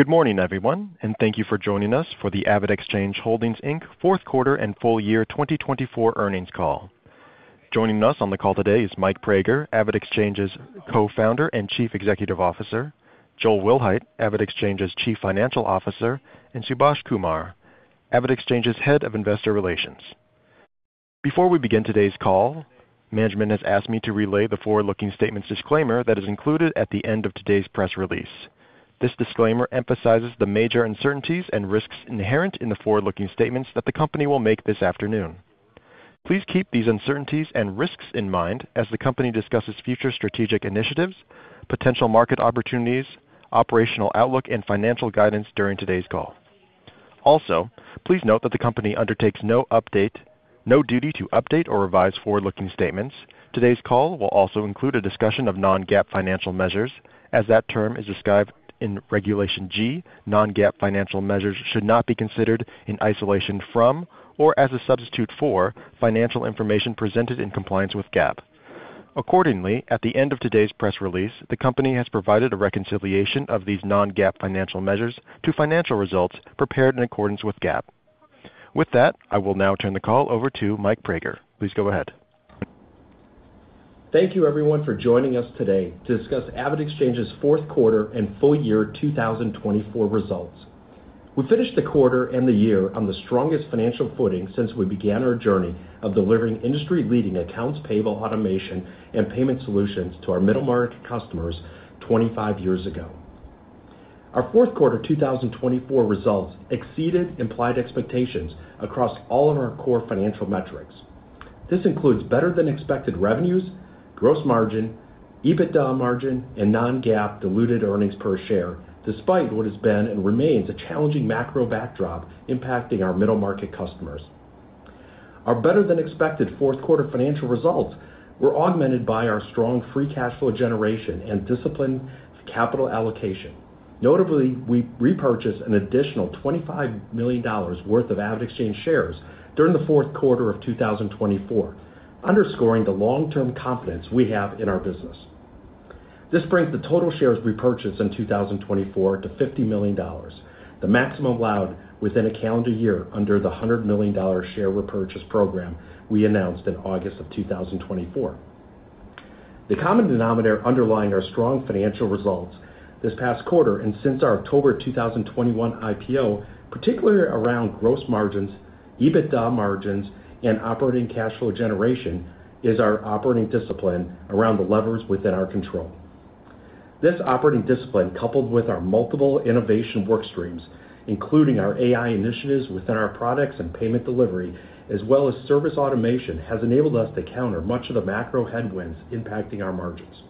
Good morning, everyone, and thank you for joining us for the AvidXchange Holdings Inc Fourth Quarter and Full Year 2024 Earnings Call. Joining us on the call today is Mike Praeger, AvidXchange's Co-founder and Chief Executive Officer, Joel Wilhite, AvidXchange's Chief Financial Officer, and Subhash Kumar, AvidXchange's Head of Investor Relations. Before we begin today's call, management has asked me to relay the forward-looking statements disclaimer that is included at the end of today's press release. This disclaimer emphasizes the major uncertainties and risks inherent in the forward-looking statements that the company will make this afternoon. Please keep these uncertainties and risks in mind as the company discusses future strategic initiatives, potential market opportunities, operational outlook, and financial guidance during today's call. Also, please note that the company undertakes no duty to update or revise forward-looking statements. Today's call will also include a discussion of non-GAAP financial measures, as that term is described in Regulation G. Non-GAAP financial measures should not be considered in isolation from or as a substitute for financial information presented in compliance with GAAP. Accordingly, at the end of today's press release, the company has provided a reconciliation of these non-GAAP financial measures to financial results prepared in accordance with GAAP. With that, I will now turn the call over to Mike Praeger. Please go ahead. Thank you, everyone, for joining us today to discuss AvidXchange's Fourth Quarter and Full Year 2024 Results. We finished the quarter and the year on the strongest financial footing since we began our journey of delivering industry-leading accounts payable automation and payment solutions to our middle market customers 25 years ago. Our fourth quarter 2024 results exceeded implied expectations across all of our core financial metrics. This includes better-than-expected revenues, gross margin, EBITDA margin, and non-GAAP diluted earnings per share, despite what has been and remains a challenging macro backdrop impacting our middle market customers. Our better-than-expected fourth quarter financial results were augmented by our strong free cash flow generation and disciplined capital allocation. Notably, we repurchased an additional $25 million worth of AvidXchange shares during the fourth quarter of 2024, underscoring the long-term confidence we have in our business. This brings the total shares repurchased in 2024 to $50 million, the maximum allowed within a calendar year under the $100 million share repurchase program we announced in August of 2024. The common denominator underlying our strong financial results this past quarter and since our October 2021 IPO, particularly around gross margins, EBITDA margins, and operating cash flow generation, is our operating discipline around the levers within our control. This operating discipline, coupled with our multiple innovation workstreams, including our AI initiatives within our products and payment delivery, as well as service automation, has enabled us to counter much of the macro headwinds impacting our margins.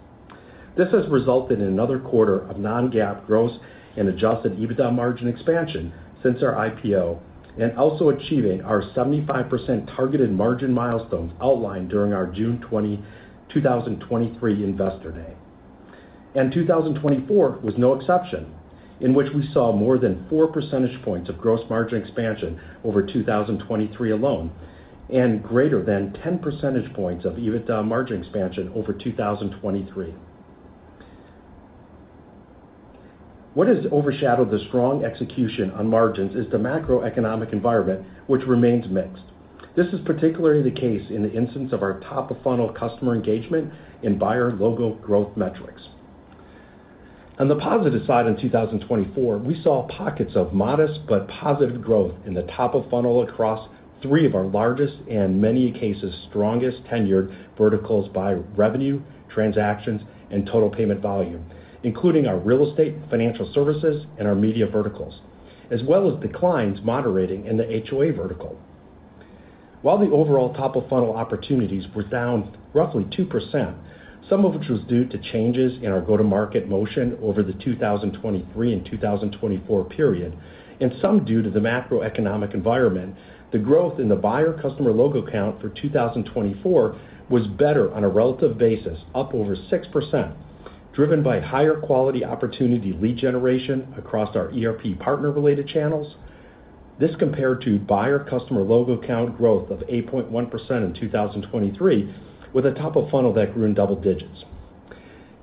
This has resulted in another quarter of non-GAAP gross and adjusted EBITDA margin expansion since our IPO, and also achieving our 75% targeted margin milestones outlined during our June 2023 Investor Day. 2024 was no exception, in which we saw more than four percentage points of gross margin expansion over 2023 alone and greater than 10 percentage points of EBITDA margin expansion over 2023. What has overshadowed the strong execution on margins is the macroeconomic environment, which remains mixed. This is particularly the case in the instance of our top-of-funnel customer engagement and buyer logo growth metrics. On the positive side in 2024, we saw pockets of modest but positive growth in the top-of-funnel across three of our largest and, in many cases, strongest tenured verticals by revenue, transactions, and total payment volume, including our real estate, financial services, and our media verticals, as well as declines moderating in the HOA vertical. While the overall top-of-funnel opportunities were down roughly 2%, some of which was due to changes in our go-to-market motion over the 2023 and 2024 period, and some due to the macroeconomic environment, the growth in the buyer customer logo count for 2024 was better on a relative basis, up over 6%, driven by higher quality opportunity lead generation across our ERP partner-related channels. This compared to buyer customer logo count growth of 8.1% in 2023, with a top-of-funnel that grew in double digits.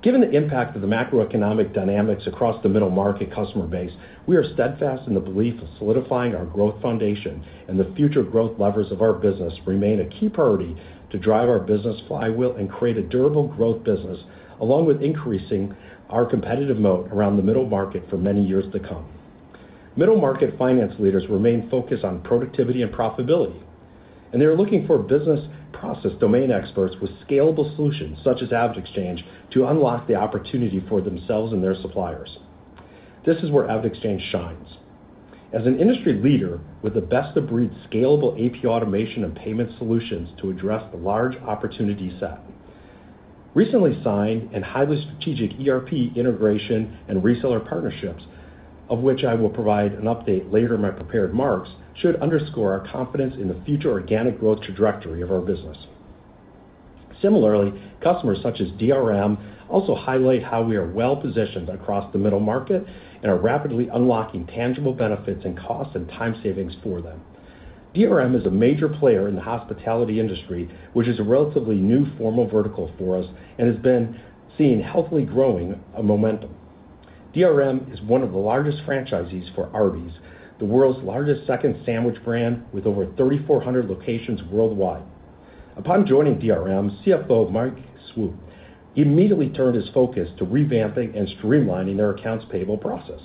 Given the impact of the macroeconomic dynamics across the middle market customer base, we are steadfast in the belief of solidifying our growth foundation and the future growth levers of our business remain a key priority to drive our Business Flywheel and create a durable growth business, along with increasing our competitive moat around the middle market for many years to come. Middle market finance leaders remain focused on productivity and profitability, and they are looking for business process domain experts with scalable solutions such as AvidXchange to unlock the opportunity for themselves and their suppliers. This is where AvidXchange shines, as an industry leader with the best-of-breed scalable AP automation and payment solutions to address the large opportunity set. Recently signed and highly strategic ERP integration and reseller partnerships, of which I will provide an update later in my prepared remarks, should underscore our confidence in the future organic growth trajectory of our business. Similarly, customers such as DRM also highlight how we are well-positioned across the middle market and are rapidly unlocking tangible benefits in costs and time savings for them. DRM is a major player in the hospitality industry, which is a relatively new form of vertical for us and has been seeing healthily growing momentum. DRM is one of the largest franchisees for Arby's, the world's second-largest sandwich brand with over 3,400 locations worldwide. Upon joining DRM, CFO Mike Swope immediately turned his focus to revamping and streamlining their accounts payable process,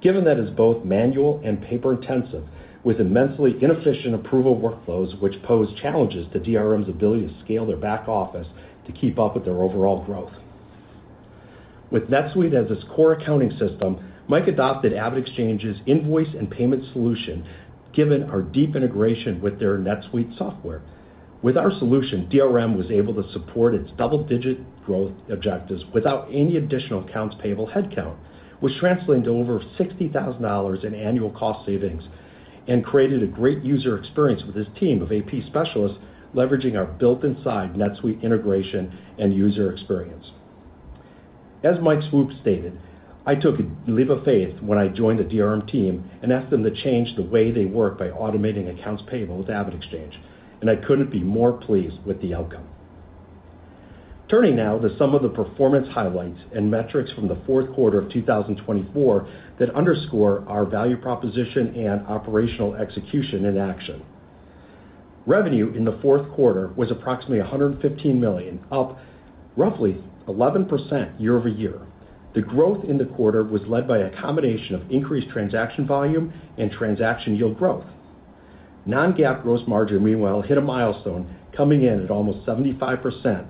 given that it is both manual and paper-intensive, with immensely inefficient approval workflows, which pose challenges to DRM's ability to scale their back office to keep up with their overall growth. With NetSuite as its core accounting system, Mike adopted AvidXchange's invoice and payment solution, given our deep integration with their NetSuite software. With our solution, DRM was able to support its double-digit growth objectives without any additional accounts payable headcount, which translated to over $60,000 in annual cost savings and created a great user experience with his team of AP specialists, leveraging our built-in, side-by-side NetSuite integration and user experience. As Mike Swope stated, "I took a leap of faith when I joined the DRM team and asked them to change the way they work by automating accounts payable with AvidXchange, and I couldn't be more pleased with the outcome." Turning now to some of the performance highlights and metrics from the fourth quarter of 2024 that underscore our value proposition and operational execution in action. Revenue in the fourth quarter was approximately $115 million, up roughly 11% year-over-year. The growth in the quarter was led by a combination of increased transaction volume and Transaction Yield growth. Non-GAAP gross margin, meanwhile, hit a milestone, coming in at almost 75%.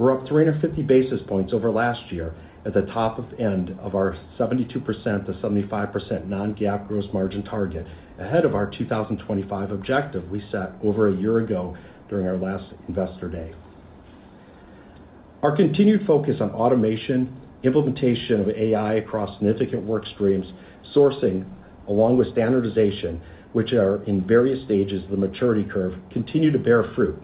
We're up 350 basis points over last year at the top of end of our 72%-75% non-GAAP gross margin target, ahead of our 2025 objective we set over a year ago during our last Investor Day. Our continued focus on automation, implementation of AI across significant workstreams, sourcing, along with standardization, which are in various stages of the maturity curve, continue to bear fruit.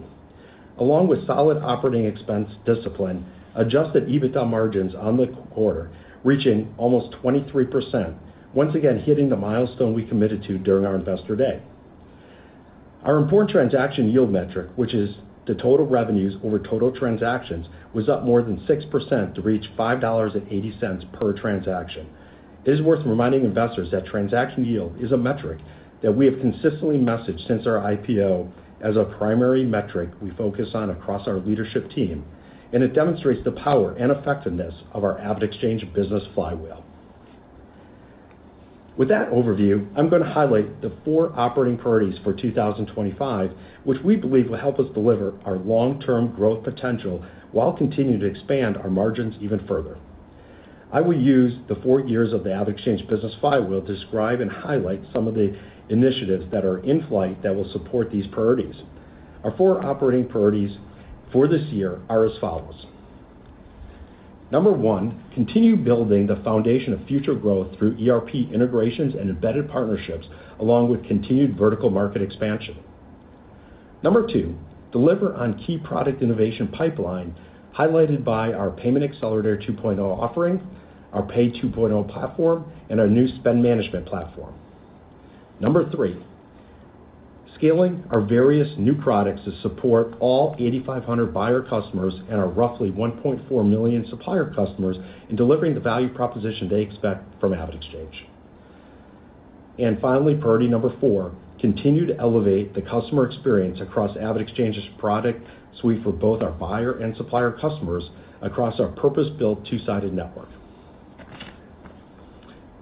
Along with solid operating expense discipline, Adjusted EBITDA margins on the quarter reaching almost 23%, once again hitting the milestone we committed to during our Investor Day. Our important Transaction Yield metric, which is the total revenues over total transactions, was up more than 6% to reach $5.80 per transaction. It is worth reminding investors that Transaction Yield is a metric that we have consistently messaged since our IPO as a primary metric we focus on across our leadership team, and it demonstrates the power and effectiveness of our AvidXchange Business Flywheel. With that overview, I'm going to highlight the four operating priorities for 2025, which we believe will help us deliver our long-term growth potential while continuing to expand our margins even further. I will use the four pillars of the AvidXchange Business Flywheel to describe and highlight some of the initiatives that are in flight that will support these priorities. Our four operating priorities for this year are as follows. Number one, continue building the foundation of future growth through ERP integrations and embedded partnerships, along with continued vertical market expansion. Number two, deliver on key product innovation pipeline highlighted by our Payment Accelerator 2.0 offering, our Pay 2.0 platform, and our new Spend Management platform. Number three, scaling our various new products to support all 8,500 buyer customers and our roughly 1.4 million supplier customers in delivering the value proposition they expect from AvidXchange. Finally, priority number four, continue to elevate the customer experience across AvidXchange's product suite for both our buyer and supplier customers across our purpose-built two-sided network.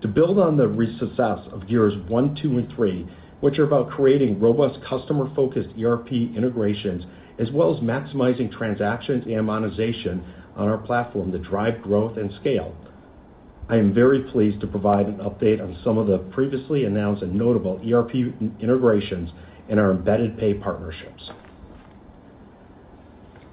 To build on the success of years one, two, and three, which are about creating robust customer-focused ERP integrations, as well as maximizing transactions and monetization on our platform to drive growth and scale, I am very pleased to provide an update on some of the previously announced and notable ERP integrations and our embedded pay partnerships.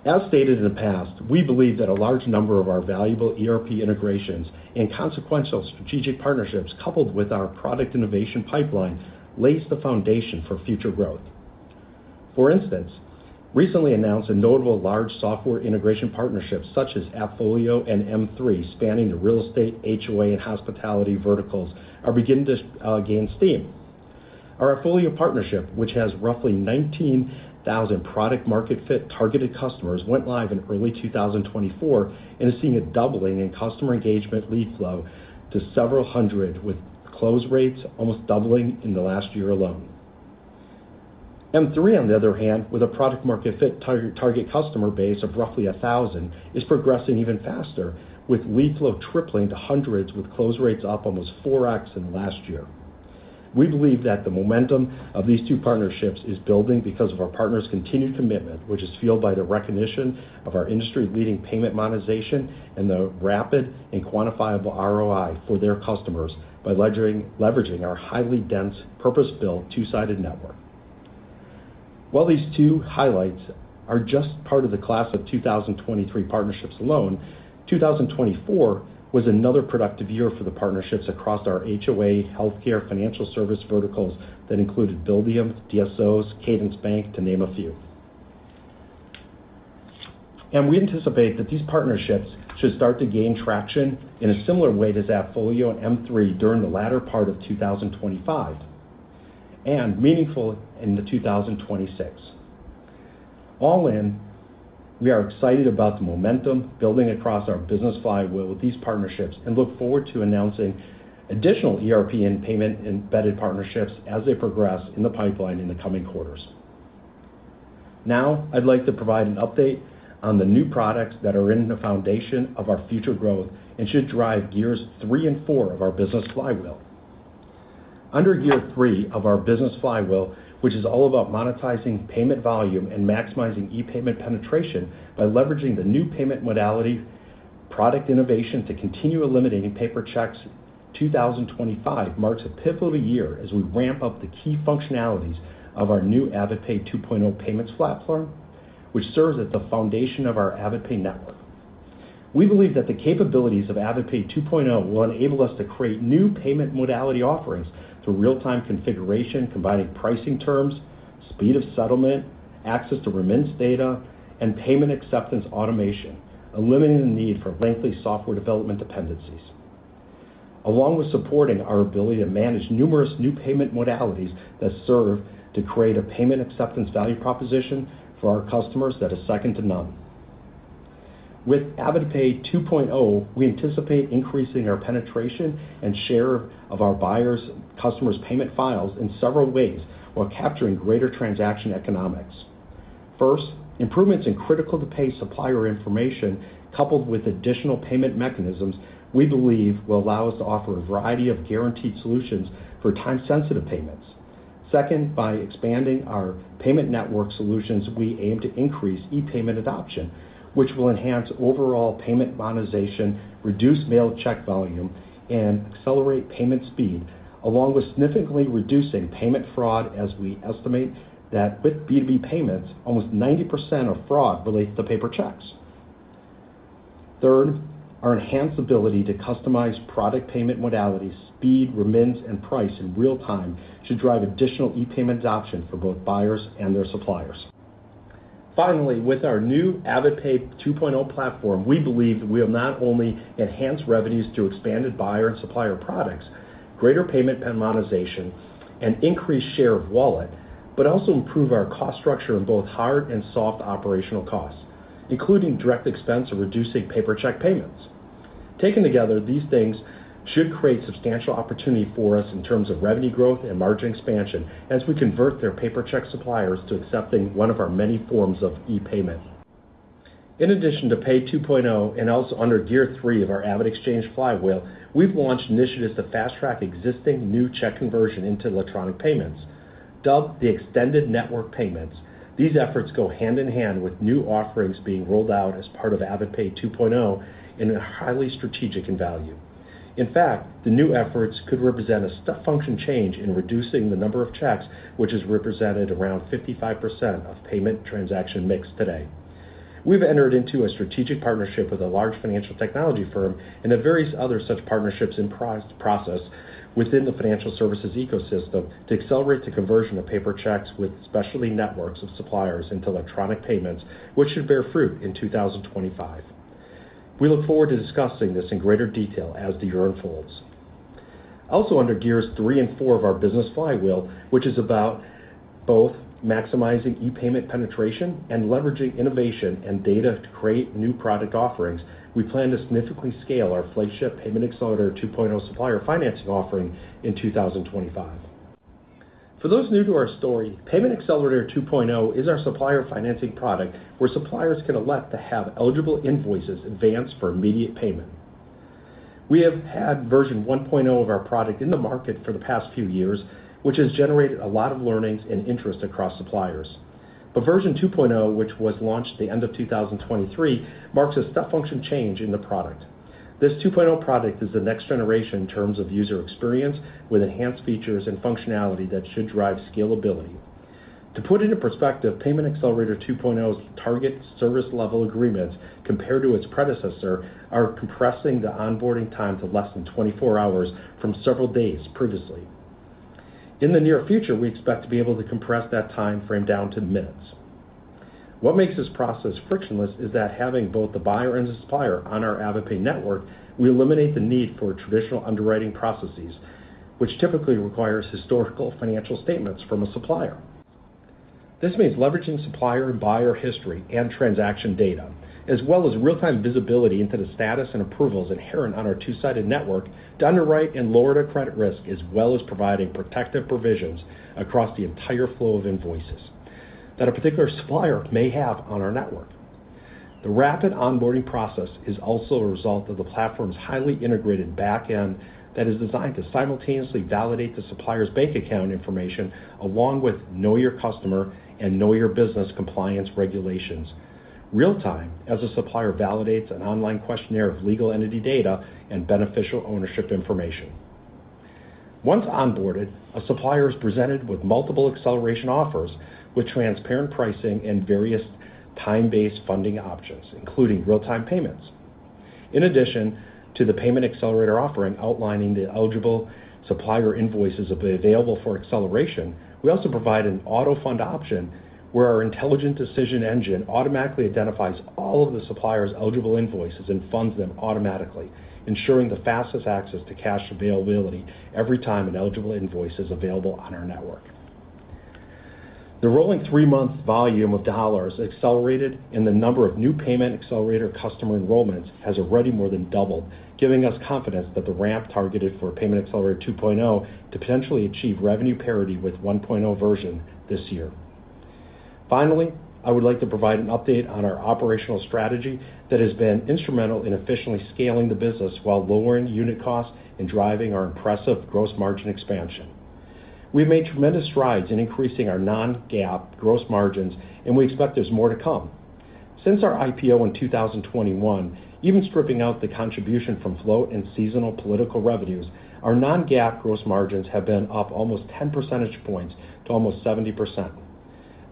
As stated in the past, we believe that a large number of our valuable ERP integrations and consequential strategic partnerships coupled with our product innovation pipeline lays the foundation for future growth. For instance, recently announced a notable large software integration partnership, such as AppFolio and M3, spanning the real estate, HOA, and hospitality verticals, are beginning to gain steam. Our AppFolio partnership, which has roughly 19,000 product-market-fit targeted customers, went live in early 2024 and is seeing a doubling in customer engagement lead flow to several hundred, with close rates almost doubling in the last year alone. M3, on the other hand, with a product-market-fit target customer base of roughly 1,000, is progressing even faster, with lead flow tripling to hundreds, with close rates up almost 4X in the last year. We believe that the momentum of these two partnerships is building because of our partners' continued commitment, which is fueled by the recognition of our industry-leading payment monetization and the rapid and quantifiable ROI for their customers by leveraging our highly dense, purpose-built two-sided network. While these two highlights are just part of the class of 2023 partnerships alone, 2024 was another productive year for the partnerships across our HOA, healthcare, financial service verticals that included Buildium, DSOs, Cadence Bank, to name a few, and we anticipate that these partnerships should start to gain traction in a similar way to AppFolio and M3 during the latter part of 2025 and meaningful in 2026. All in, we are excited about the momentum building across our Business Flywheel with these partnerships and look forward to announcing additional ERP and payment embedded partnerships as they progress in the pipeline in the coming quarters. Now, I'd like to provide an update on the new products that are in the foundation of our future growth and should drive years three and four of our Business Flywheel. Under year three of our Business Flywheel, which is all about monetizing payment volume and maximizing e-payment penetration by leveraging the new payment modality, product innovation to continue eliminating paper checks, 2025 marks a pivotal year as we ramp up the key functionalities of our new AvidPay 2.0 payments platform, which serves as the foundation of our AvidPay network. We believe that the capabilities of AvidPay 2.0 will enable us to create new payment modality offerings through real-time configuration, combining pricing terms, speed of settlement, access to remittance data, and payment acceptance automation, eliminating the need for lengthy software development dependencies, along with supporting our ability to manage numerous new payment modalities that serve to create a payment acceptance value proposition for our customers that is second to none. With AvidPay 2.0, we anticipate increasing our penetration and share of our buyers' customers' payment files in several ways while capturing greater transaction economics. First, improvements in critical-to-pay supplier information coupled with additional payment mechanisms we believe will allow us to offer a variety of guaranteed solutions for time-sensitive payments. Second, by expanding our payment network solutions, we aim to increase e-payment adoption, which will enhance overall payment monetization, reduce mail check volume, and accelerate payment speed, along with significantly reducing payment fraud as we estimate that with B2B payments, almost 90% of fraud relates to paper checks. Third, our enhanced ability to customize product payment modalities, speed, remittance, and price in real time should drive additional e-payment adoption for both buyers and their suppliers. Finally, with our new AvidPay 2.0 platform, we believe that we will not only enhance revenues through expanded buyer and supplier products, greater payment pen monetization, and increased share of wallet, but also improve our cost structure in both hard and soft operational costs, including direct expense or reducing paper check payments. Taken together, these things should create substantial opportunity for us in terms of revenue growth and margin expansion as we convert their paper check suppliers to accepting one of our many forms of e-payment. In addition to AvidPay 2.0 and also under year three of our AvidXchange flywheel, we've launched initiatives to fast-track existing new check conversion into electronic payments, dubbed the extended network payments. These efforts go hand in hand with new offerings being rolled out as part of AvidPay 2.0 in a highly strategic value. In fact, the new efforts could represent a step function change in reducing the number of checks, which is represented around 55% of payment transaction mix today. We've entered into a strategic partnership with a large financial technology firm and the various other such partnerships in the process within the financial services ecosystem to accelerate the conversion of paper checks with specialty networks of suppliers into electronic payments, which should bear fruit in 2025. We look forward to discussing this in greater detail as the year unfolds. Also, under years three and four of our Business Flywheel, which is about both maximizing e-payment penetration and leveraging innovation and data to create new product offerings, we plan to significantly scale our flagship Payment Accelerator 2.0 supplier financing offering in 2025. For those new to our story, Payment Accelerator 2.0 is our supplier financing product where suppliers can elect to have eligible invoices advanced for immediate payment. We have had version 1.0 of our product in the market for the past few years, which has generated a lot of learnings and interest across suppliers. But version 2.0, which was launched at the end of 2023, marks a step function change in the product. This 2.0 product is the next generation in terms of user experience with enhanced features and functionality that should drive scalability. To put into perspective, Payment Accelerator 2.0's target service level agreements compared to its predecessor are compressing the onboarding time to less than 24 hours from several days previously. In the near future, we expect to be able to compress that time frame down to minutes. What makes this process frictionless is that having both the buyer and the supplier on our AvidPay network, we eliminate the need for traditional underwriting processes, which typically requires historical financial statements from a supplier. This means leveraging supplier and buyer history and transaction data, as well as real-time visibility into the status and approvals inherent on our two-sided network to underwrite and lower the credit risk, as well as providing protective provisions across the entire flow of invoices that a particular supplier may have on our network. The rapid onboarding process is also a result of the platform's highly integrated backend that is designed to simultaneously validate the supplier's bank account information along with Know Your Customer and Know Your Business compliance regulations real-time as a supplier validates an online questionnaire of legal entity data and beneficial ownership information. Once onboarded, a supplier is presented with multiple acceleration offers with transparent pricing and various time-based funding options, including real-time payments. In addition to the Payment Accelerator offering outlining the eligible supplier invoices available for acceleration, we also provide an auto fund option where our intelligent decision engine automatically identifies all of the supplier's eligible invoices and funds them automatically, ensuring the fastest access to cash availability every time an eligible invoice is available on our network. The rolling three-month volume of dollars accelerated, and the number of new Payment Accelerator customer enrollments has already more than doubled, giving us confidence that the ramp targeted for Payment Accelerator 2.0 to potentially achieve revenue parity with 1.0 version this year. Finally, I would like to provide an update on our operational strategy that has been instrumental in efficiently scaling the business while lowering unit costs and driving our impressive gross margin expansion. We've made tremendous strides in increasing our non-GAAP gross margins, and we expect there's more to come. Since our IPO in 2021, even stripping out the contribution from float and seasonal political revenues, our non-GAAP gross margins have been up almost 10 percentage points to almost 70%.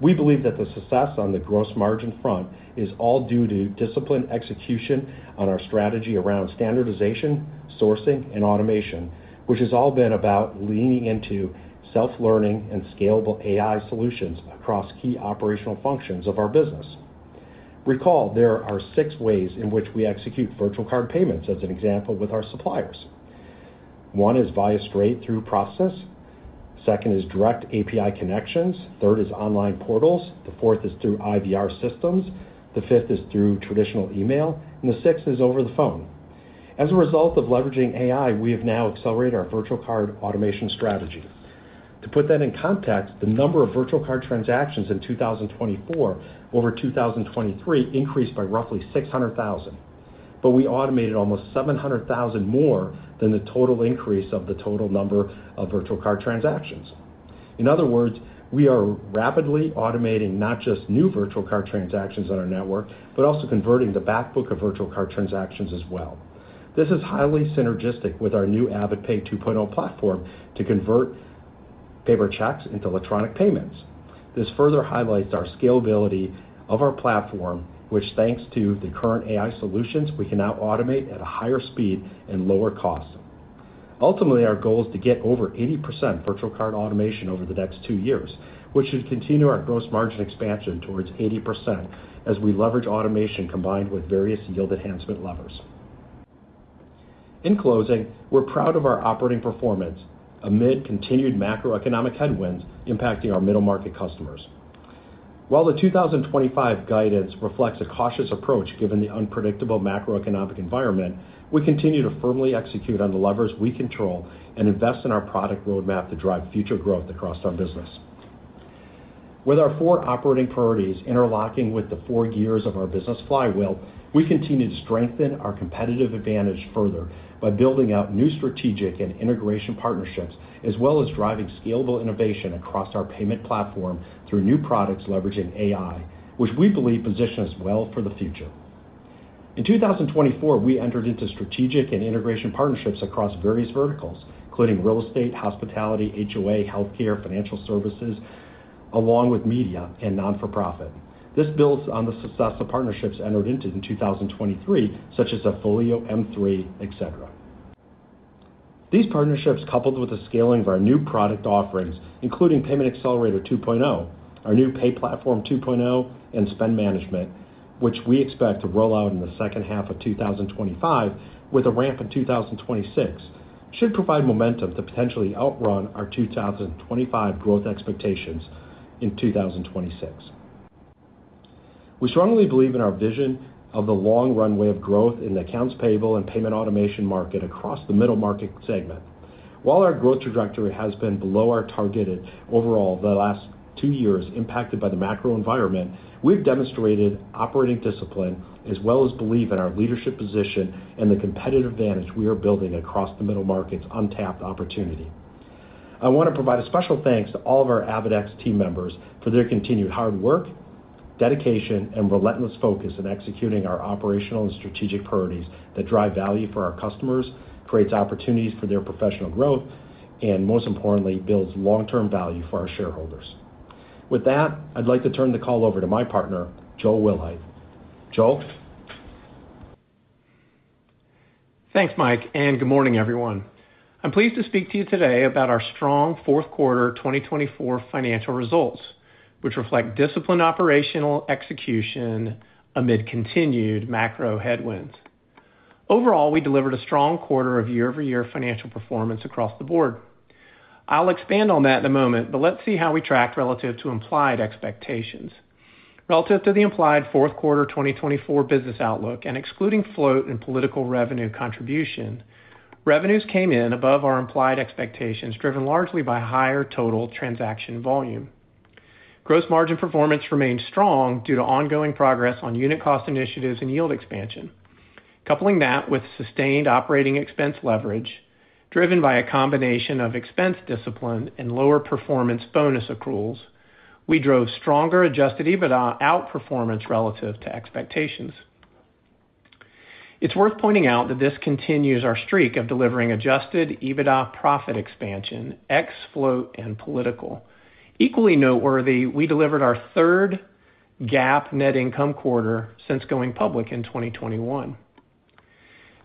We believe that the success on the gross margin front is all due to disciplined execution on our strategy around standardization, sourcing, and automation, which has all been about leaning into self-learning and scalable AI solutions across key operational functions of our business. Recall, there are six ways in which we execute virtual card payments as an example with our suppliers. One is via straight-through process. Second is direct API connections. Third is online portals. The fourth is through IVR systems. The fifth is through traditional email, and the sixth is over the phone. As a result of leveraging AI, we have now accelerated our virtual card automation strategy. To put that in context, the number of virtual card transactions in 2024 over 2023 increased by roughly 600,000. But we automated almost 700,000 more than the total increase of the total number of virtual card transactions. In other words, we are rapidly automating not just new virtual card transactions on our network, but also converting the backbook of virtual card transactions as well. This is highly synergistic with our new AvidPay 2.0 platform to convert paper checks into electronic payments. This further highlights our scalability of our platform, which thanks to the current AI solutions, we can now automate at a higher speed and lower cost. Ultimately, our goal is to get over 80% virtual card automation over the next two years, which should continue our gross margin expansion towards 80% as we leverage automation combined with various yield enhancement levers. In closing, we're proud of our operating performance amid continued macroeconomic headwinds impacting our middle market customers. While the 2025 guidance reflects a cautious approach given the unpredictable macroeconomic environment, we continue to firmly execute on the levers we control and invest in our product roadmap to drive future growth across our business. With our four operating priorities interlocking with the four gears of our Business Flywheel, we continue to strengthen our competitive advantage further by building out new strategic and integration partnerships, as well as driving scalable innovation across our payment platform through new products leveraging AI, which we believe positions well for the future. In 2024, we entered into strategic and integration partnerships across various verticals, including real estate, hospitality, HOA, healthcare, financial services, along with media and not-for-profit. This builds on the success of partnerships entered into in 2023, such as AppFolio, M3, etc. These partnerships coupled with the scaling of our new product offerings, including Payment Accelerator 2.0, our new Pay platform 2.0, and Spend Management, which we expect to roll out in the second half of 2025 with a ramp in 2026, should provide momentum to potentially outrun our 2025 growth expectations in 2026. We strongly believe in our vision of the long runway of growth in the accounts payable and payment automation market across the middle market segment. While our growth trajectory has been below our targeted overall the last two years impacted by the macro environment, we've demonstrated operating discipline as well as belief in our leadership position and the competitive advantage we are building across the middle market's untapped opportunity. I want to provide a special thanks to all of our AvidXchange team members for their continued hard work, dedication, and relentless focus in executing our operational and strategic priorities that drive value for our customers, creates opportunities for their professional growth, and most importantly, builds long-term value for our shareholders. With that, I'd like to turn the call over to my partner, Joel Wilhite. Joel. Thanks, Mike, and good morning, everyone. I'm pleased to speak to you today about our strong fourth quarter 2024 financial results, which reflect disciplined operational execution amid continued macro headwinds. Overall, we delivered a strong quarter of year-over-year financial performance across the board. I'll expand on that in a moment, but let's see how we tracked relative to implied expectations. Relative to the implied fourth quarter 2024 business outlook, and excluding float and political revenue contribution, revenues came in above our implied expectations, driven largely by higher total transaction volume. Gross margin performance remained strong due to ongoing progress on unit cost initiatives and yield expansion. Coupling that with sustained operating expense leverage, driven by a combination of expense discipline and lower performance bonus accruals, we drove stronger Adjusted EBITDA outperformance relative to expectations. It's worth pointing out that this continues our streak of delivering Adjusted EBITDA profit expansion, ex float and political. Equally noteworthy, we delivered our third GAAP net income quarter since going public in 2021.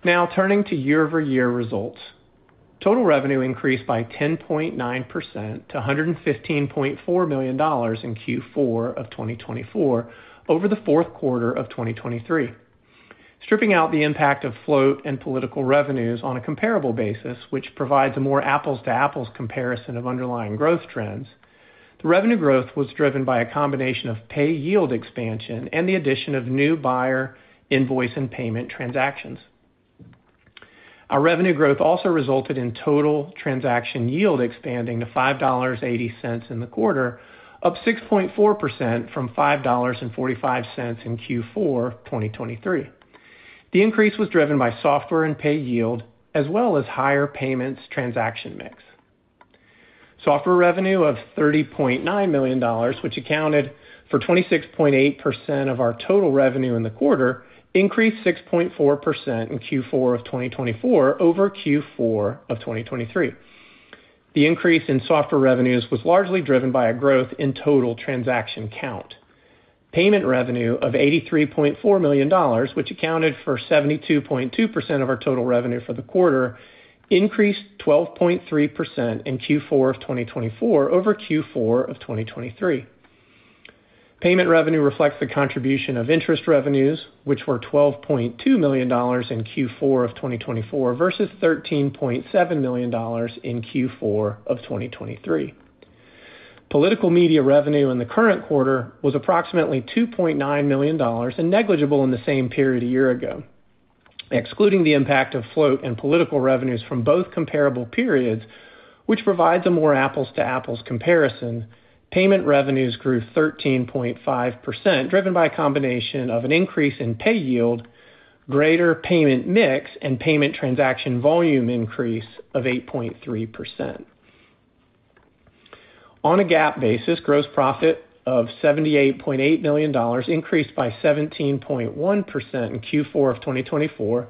Now, turning to year-over-year results, total revenue increased by 10.9% to $115.4 million in Q4 of 2024 over the fourth quarter of 2023. Stripping out the impact of float and political revenues on a comparable basis, which provides a more apples-to-apples comparison of underlying growth trends, the revenue growth was driven by a combination of pay yield expansion and the addition of new buyer invoice and payment transactions. Our revenue growth also resulted in total Transaction Yield expanding to $5.80 in the quarter, up 6.4% from $5.45 in Q4 2023. The increase was driven by software and pay yield, as well as higher payments transaction mix. Software revenue of $30.9 million, which accounted for 26.8% of our total revenue in the quarter, increased 6.4% in Q4 of 2024 over Q4 of 2023. The increase in software revenues was largely driven by a growth in total transaction count. Payment revenue of $83.4 million, which accounted for 72.2% of our total revenue for the quarter, increased 12.3% in Q4 of 2024 over Q4 of 2023. Payment revenue reflects the contribution of interest revenues, which were $12.2 million in Q4 of 2024 versus $13.7 million in Q4 of 2023. Political media revenue in the current quarter was approximately $2.9 million and negligible in the same period a year ago. Excluding the impact of float and political revenues from both comparable periods, which provides a more apples-to-apples comparison, payment revenues grew 13.5%, driven by a combination of an increase in pay yield, greater payment mix, and payment transaction volume increase of 8.3%. On a GAAP basis, gross profit of $78.8 million increased by 17.1% in Q4 of 2024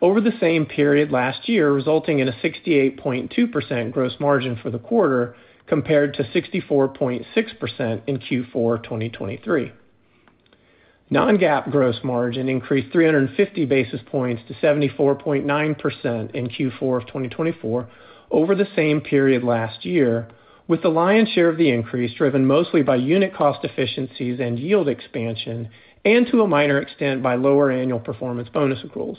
over the same period last year, resulting in a 68.2% gross margin for the quarter compared to 64.6% in Q4 2023. Non-GAAP gross margin increased 350 basis points to 74.9% in Q4 of 2024 over the same period last year, with the lion's share of the increase driven mostly by unit cost efficiencies and yield expansion, and to a minor extent by lower annual performance bonus accruals.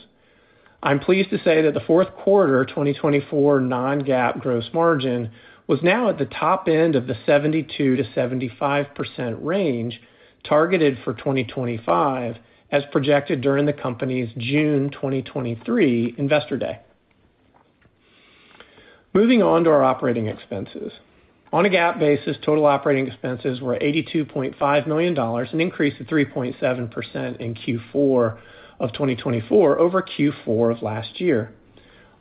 I'm pleased to say that the fourth quarter 2024 non-GAAP gross margin was now at the top end of the 72%-75% range targeted for 2025, as projected during the company's June 2023 Investor Day. Moving on to our operating expenses. On a GAAP basis, total operating expenses were $82.5 million and increased to 3.7% in Q4 of 2024 over Q4 of last year.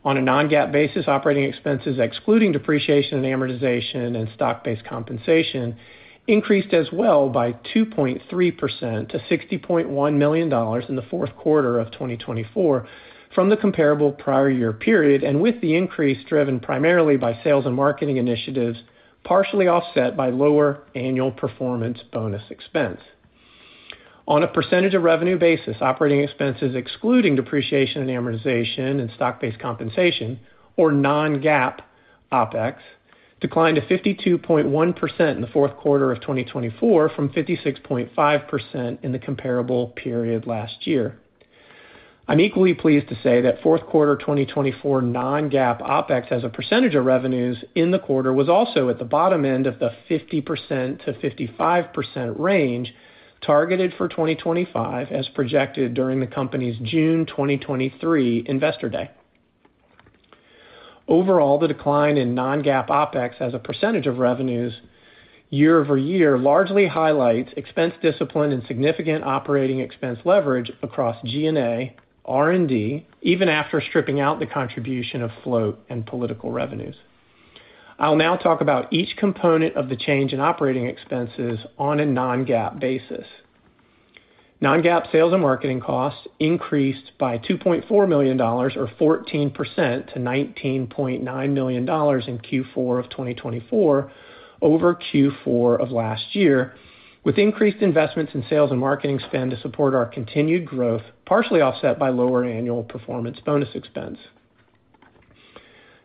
On a Non-GAAP basis, operating expenses, excluding depreciation and amortization and stock-based compensation, increased as well by 2.3% to $60.1 million in the fourth quarter of 2024 from the comparable prior year period, and with the increase driven primarily by sales and marketing initiatives, partially offset by lower annual performance bonus expense. On a percentage of revenue basis, operating expenses, excluding depreciation and amortization and stock-based compensation, or Non-GAAP OpEx, declined to 52.1% in the fourth quarter of 2024 from 56.5% in the comparable period last year. I'm equally pleased to say that fourth quarter 2024 Non-GAAP OpEx as a percentage of revenues in the quarter was also at the bottom end of the 50%-55% range targeted for 2025, as projected during the company's June 2023 Investor Day. Overall, the decline in non-GAAP OpEx as a percentage of revenues year-over-year largely highlights expense discipline and significant operating expense leverage across G&A, R&D, even after stripping out the contribution of float and political revenues. I'll now talk about each component of the change in operating expenses on a non-GAAP basis. Non-GAAP sales and marketing costs increased by $2.4 million, or 14% to $19.9 million in Q4 of 2024 over Q4 of last year, with increased investments in sales and marketing spend to support our continued growth, partially offset by lower annual performance bonus expense.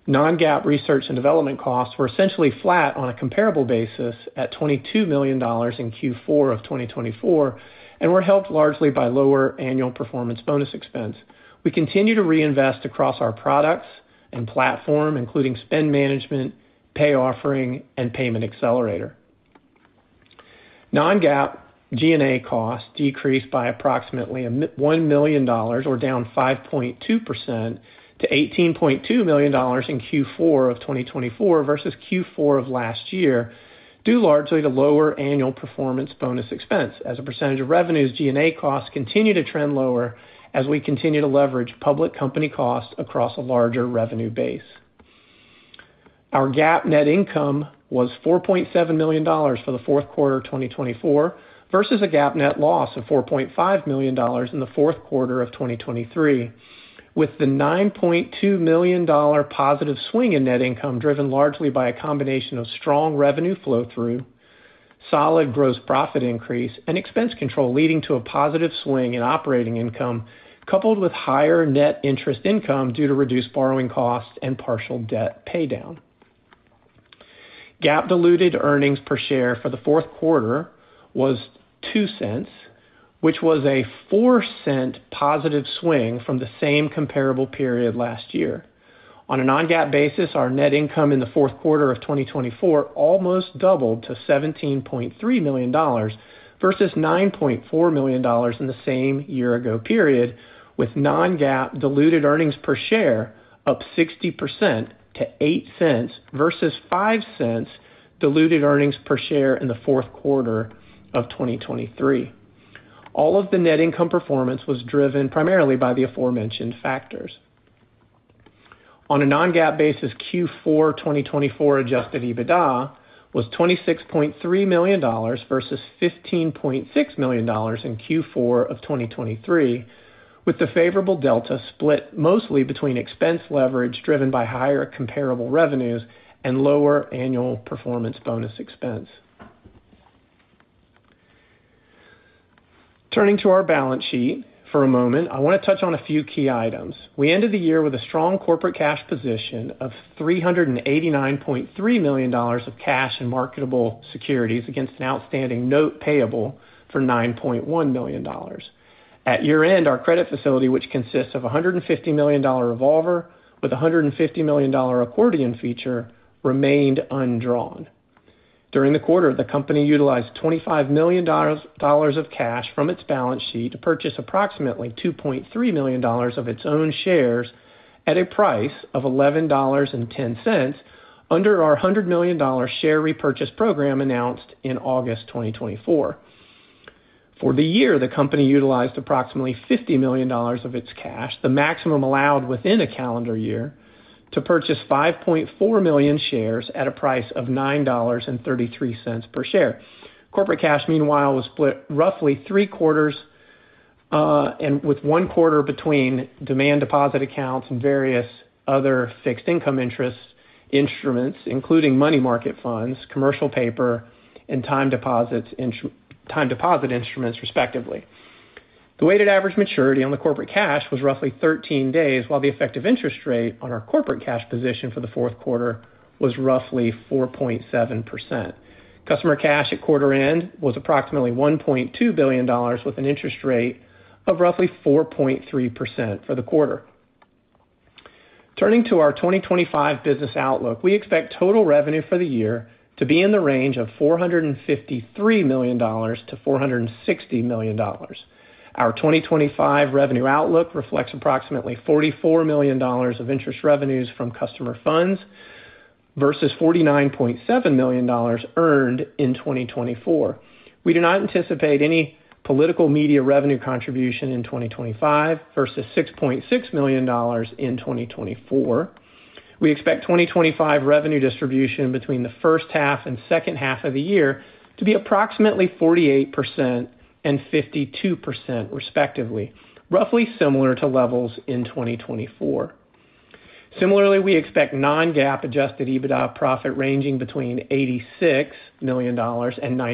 Non-GAAP research and development costs were essentially flat on a comparable basis at $22 million in Q4 of 2024 and were helped largely by lower annual performance bonus expense. We continue to reinvest across our products and platform, including Spend Management, pay offering, and payment accelerator. Non-GAAP G&A costs decreased by approximately $1 million, or down 5.2% to $18.2 million in Q4 of 2024 versus Q4 of last year, due largely to lower annual performance bonus expense. As a percentage of revenues, G&A costs continue to trend lower as we continue to leverage public company costs across a larger revenue base. Our GAAP net income was $4.7 million for the fourth quarter of 2024 versus a GAAP net loss of $4.5 million in the fourth quarter of 2023, with the $9.2 million positive swing in net income driven largely by a combination of strong revenue flow-through, solid gross profit increase, and expense control leading to a positive swing in operating income, coupled with higher net interest income due to reduced borrowing costs and partial debt paydown. GAAP diluted earnings per share for the fourth quarter was $0.02, which was a $0.04 positive swing from the same comparable period last year. On a non-GAAP basis, our net income in the fourth quarter of 2024 almost doubled to $17.3 million versus $9.4 million in the same year-ago period, with non-GAAP diluted earnings per share up 60% to $0.08 versus $0.05 diluted earnings per share in the fourth quarter of 2023. All of the net income performance was driven primarily by the aforementioned factors. On a non-GAAP basis, Q4 2024 Adjusted EBITDA was $26.3 million versus $15.6 million in Q4 of 2023, with the favorable delta split mostly between expense leverage driven by higher comparable revenues and lower annual performance bonus expense. Turning to our balance sheet for a moment, I want to touch on a few key items. We ended the year with a strong corporate cash position of $389.3 million of cash and marketable securities against an outstanding note payable for $9.1 million. At year-end, our credit facility, which consists of a $150 million revolver with a $150 million accordion feature, remained undrawn. During the quarter, the company utilized $25 million of cash from its balance sheet to purchase approximately $2.3 million of its own shares at a price of $11.10 under our $100 million share repurchase program announced in August 2024. For the year, the company utilized approximately $50 million of its cash, the maximum allowed within a calendar year, to purchase 5.4 million shares at a price of $9.33 per share. Corporate cash, meanwhile, was split roughly three quarters and with one quarter between demand deposit accounts and various other fixed income instruments, including money market funds, commercial paper, and time deposit instruments, respectively. The weighted average maturity on the corporate cash was roughly 13 days, while the effective interest rate on our corporate cash position for the fourth quarter was roughly 4.7%. Customer cash at quarter end was approximately $1.2 billion, with an interest rate of roughly 4.3% for the quarter. Turning to our 2025 business outlook, we expect total revenue for the year to be in the range of $453 million to $460 million. Our 2025 revenue outlook reflects approximately $44 million of interest revenues from customer funds versus $49.7 million earned in 2024. We do not anticipate any political media revenue contribution in 2025 versus $6.6 million in 2024. We expect 2025 revenue distribution between the first half and second half of the year to be approximately 48% and 52%, respectively, roughly similar to levels in 2024. Similarly, we expect Non-GAAP adjusted EBITDA profit ranging between $86 million and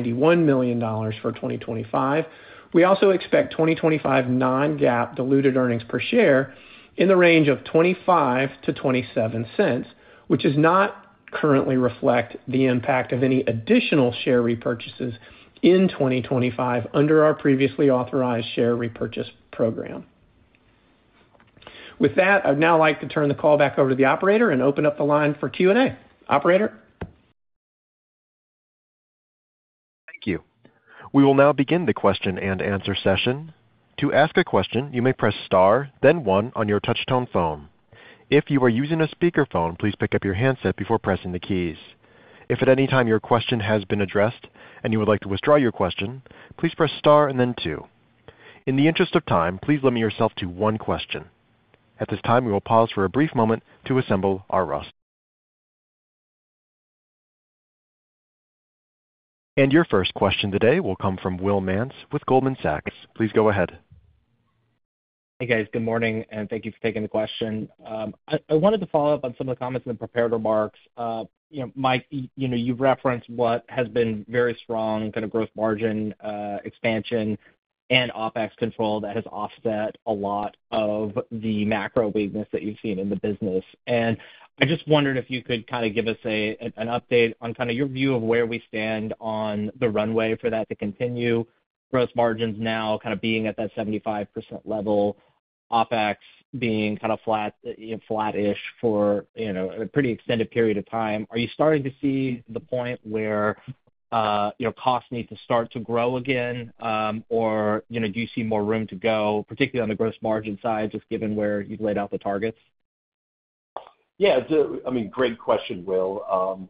$91 million for 2025. We also expect 2025 Non-GAAP diluted earnings per share in the range of $0.25 to $0.27, which does not currently reflect the impact of any additional share repurchases in 2025 under our previously authorized share repurchase program. With that, I'd now like to turn the call back over to the operator and open up the line for Q&A. Operator. Thank you. We will now begin the question and answer session. To ask a question, you may press star, then one on your touch-tone phone. If you are using a speakerphone, please pick up your handset before pressing the keys. If at any time your question has been addressed and you would like to withdraw your question, please press star and then two. In the interest of time, please limit yourself to one question. At this time, we will pause for a brief moment to assemble our roster. Your first question today will come from Will Nance with Goldman Sachs. Please go ahead. Hey, guys. Good morning, and thank you for taking the question. I wanted to follow up on some of the comments in the prepared remarks. Mike, you've referenced what has been very strong kind of growth margin expansion and OpEx control that has offset a lot of the macro weakness that you've seen in the business. And I just wondered if you could kind of give us an update on kind of your view of where we stand on the runway for that to continue. Gross margins now kind of being at that 75% level, OpEx being kind of flat-ish for a pretty extended period of time. Are you starting to see the point where costs need to start to grow again, or do you see more room to go, particularly on the gross margin side, just given where you've laid out the targets? Yeah. I mean, great question, Will.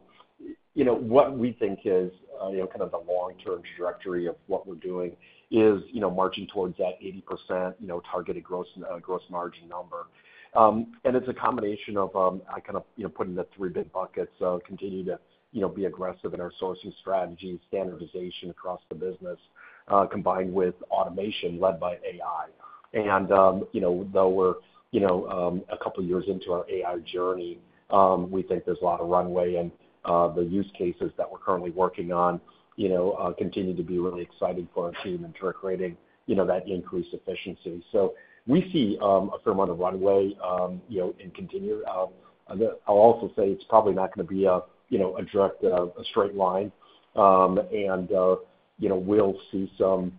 What we think is kind of the long-term trajectory of what we're doing is marching towards that 80% targeted gross margin number. It's a combination of kind of putting the three big buckets: continue to be aggressive in our sourcing strategy, standardization across the business, combined with automation led by AI. Though we're a couple of years into our AI journey, we think there's a lot of runway, and the use cases that we're currently working on continue to be really exciting for our team and driving that increased efficiency. We see a fair amount of runway and continue. I'll also say it's probably not going to be a direct, a straight line, and we'll see some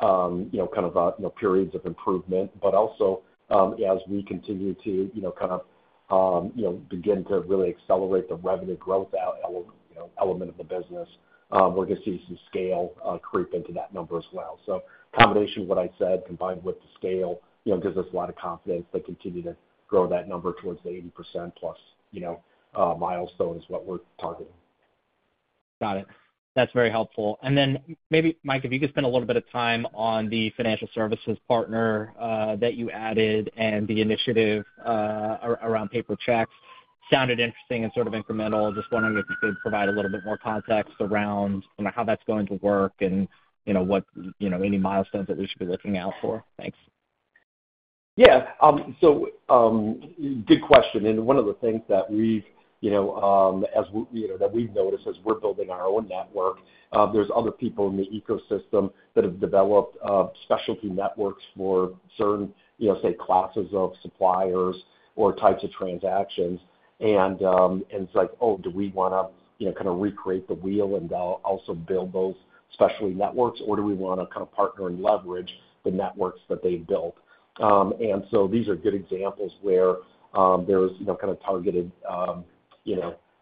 kind of periods of improvement. But also, as we continue to kind of begin to really accelerate the revenue growth element of the business, we're going to see some scale creep into that number as well. So combination of what I said, combined with the scale, gives us a lot of confidence to continue to grow that number towards the 80% plus milestone is what we're targeting. Got it. That's very helpful. And then maybe, Mike, if you could spend a little bit of time on the financial services partner that you added and the initiative around paper checks sounded interesting and sort of incremental. Just wondering if you could provide a little bit more context around how that's going to work and what any milestones that we should be looking out for? Thanks. Yeah. So good question. And one of the things that, as we've noticed, as we're building our own network, there's other people in the ecosystem that have developed specialty networks for certain, say, classes of suppliers or types of transactions. And it's like, "Oh, do we want to kind of recreate the wheel and also build those specialty networks, or do we want to kind of partner and leverage the networks that they've built?" And so these are good examples where there's kind of targeted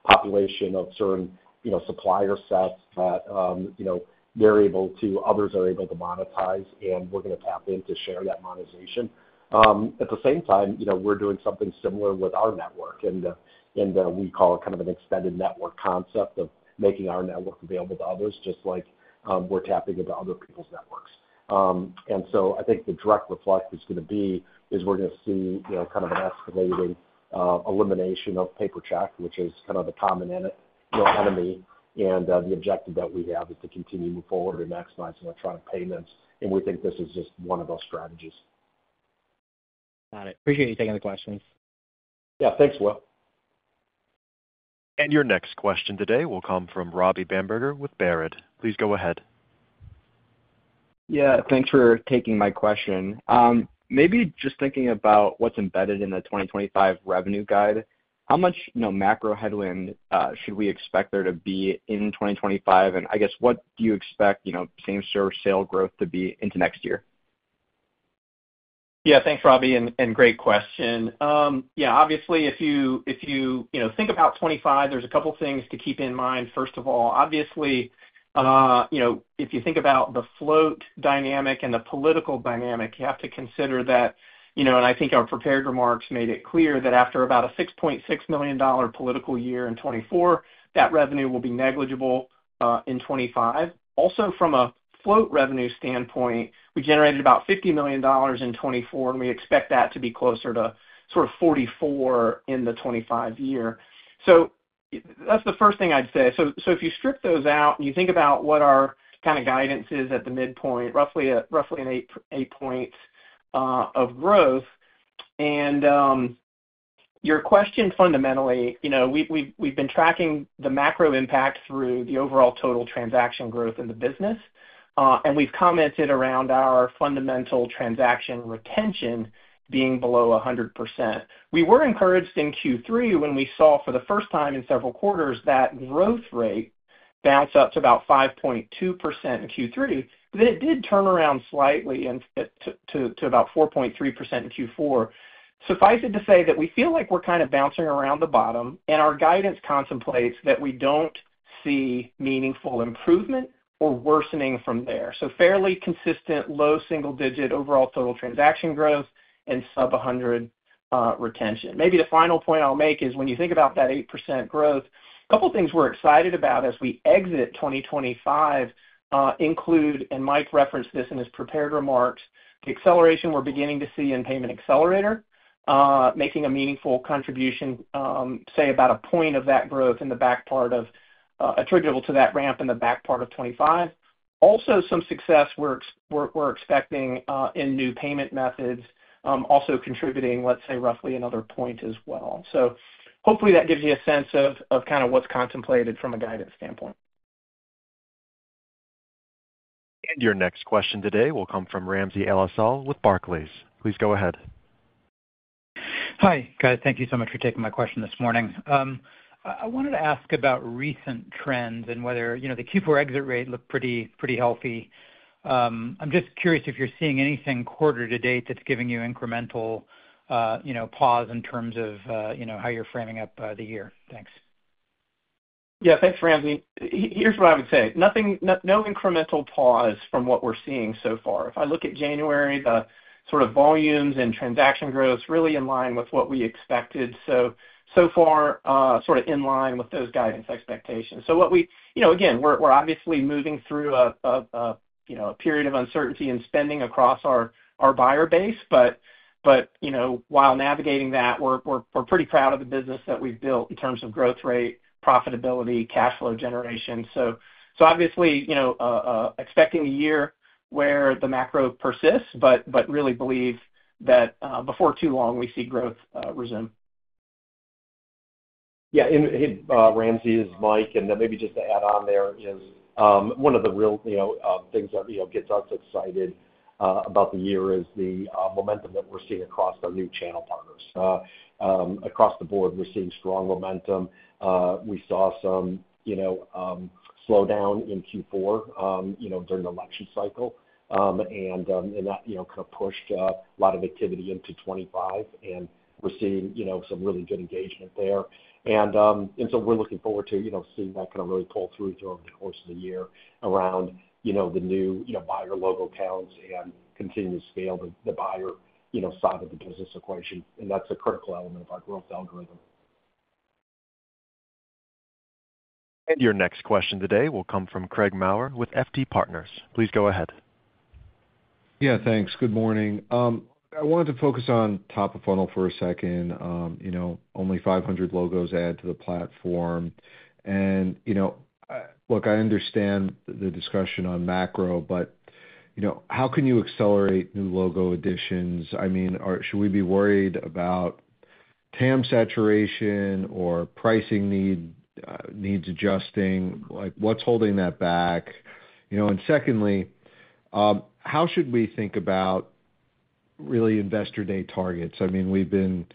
population of certain supplier sets that they're able to monetize, and others are able to monetize, and we're going to tap in to share that monetization. At the same time, we're doing something similar with our network, and we call it kind of an extended network concept of making our network available to others, just like we're tapping into other people's networks. And so I think the direct reflect is going to be is we're going to see kind of an escalating elimination of paper check, which is kind of the common enemy. And the objective that we have is to continue to move forward and maximize electronic payments. And we think this is just one of those strategies. Got it. Appreciate you taking the questions. Yeah. Thanks, Will. And your next question today will come from Robbie Bamberger with Baird. Please go ahead. Yeah. Thanks for taking my question. Maybe just thinking about what's embedded in the 2025 revenue guide, how much macro headwind should we expect there to be in 2025? I guess, what do you expect same-store sales growth to be into next year? Yeah. Thanks, Robbie. Great question. Yeah. Obviously, if you think about 2025, there are a couple of things to keep in mind. First of all, obviously, if you think about the float dynamic and the political dynamic, you have to consider that. I think our prepared remarks made it clear that after about a $6.6 million political year in 2024, that revenue will be negligible in 2025. Also, from a float revenue standpoint, we generated about $50 million in 2024, and we expect that to be closer to sort of $44 million in the 2025 year. That is the first thing I would say. If you strip those out and you think about what our kind of guidance is at the midpoint, roughly 8 points of growth. Your question, fundamentally, we've been tracking the macro impact through the overall total transaction growth in the business, and we've commented around our fundamental transaction retention being below 100%. We were encouraged in Q3 when we saw for the first time in several quarters that growth rate bounced up to about 5.2% in Q3, but then it did turn around slightly to about 4.3% in Q4. Suffice it to say that we feel like we're kind of bouncing around the bottom, and our guidance contemplates that we don't see meaningful improvement or worsening from there. So fairly consistent low single-digit overall total transaction growth and sub-100 retention. Maybe the final point I'll make is when you think about that 8% growth, a couple of things we're excited about as we exit 2025 include, and Mike referenced this in his prepared remarks, the acceleration we're beginning to see in Payment Accelerator, making a meaningful contribution, say, about a point of that growth in the back part of 2025 attributable to that ramp in the back part of 2025. Also, some success we're expecting in new payment methods, also contributing, let's say, roughly another point as well. So hopefully, that gives you a sense of kind of what's contemplated from a guidance standpoint. And your next question today will come from Ramsey El-Assal with Barclays. Please go ahead. Hi, guys. Thank you so much for taking my question this morning. I wanted to ask about recent trends and whether the Q4 exit rate looked pretty healthy. I'm just curious if you're seeing anything quarter to date that's giving you incremental pause in terms of how you're framing up the year. Thanks. Yeah. Thanks, Ramsey. Here's what I would say. No incremental pause from what we're seeing so far. If I look at January, the sort of volumes and transaction growth really in line with what we expected. So far, sort of in line with those guidance expectations. So again, we're obviously moving through a period of uncertainty in spending across our buyer base. But while navigating that, we're pretty proud of the business that we've built in terms of growth rate, profitability, cash flow generation. So obviously, expecting a year where the macro persists, but really believe that before too long, we see growth resume. Yeah. And Ramsey its Mike. And then maybe just to add on, there is one of the real things that gets us excited about the year: the momentum that we're seeing across our new channel partners. Across the board, we're seeing strong momentum. We saw some slowdown in Q4 during the election cycle, and that kind of pushed a lot of activity into 2025, and we're seeing some really good engagement there. And so we're looking forward to seeing that kind of really pull through throughout the course of the year around the new buyer logo counts and continue to scale the buyer side of the business equation. And that's a critical element of our growth algorithm. And your next question today will come from Craig Maurer with FT Partners. Please go ahead. Yeah. Thanks. Good morning. I wanted to focus on top of funnel for a second. Only 500 logos add to the platform, and look, I understand the discussion on macro, but how can you accelerate new logo additions? I mean, should we be worried about TAM saturation or pricing needs adjusting? What's holding that back? And secondly, how should we think about really Investor Day targets? I mean, we've been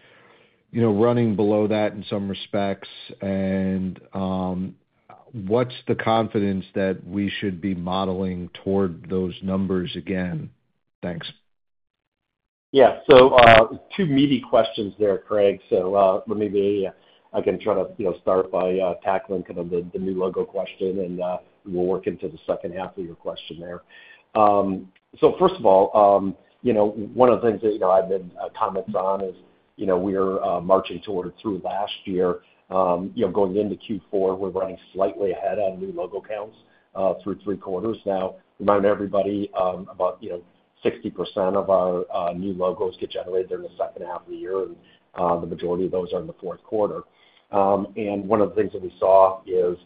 running below that in some respects, and what's the confidence that we should be modeling toward those numbers again? Thanks. Yeah, so two meaty questions there, Craig, so let me, again, try to start by tackling kind of the new logo question, and we'll work into the second half of your question there, so first of all, one of the things that I've been commenting on is we're marching toward through last year. Going into Q4, we're running slightly ahead on new logo counts through three quarters. Now, remind everybody about 60% of our new logos get generated during the second half of the year, and the majority of those are in the fourth quarter. One of the things that we saw is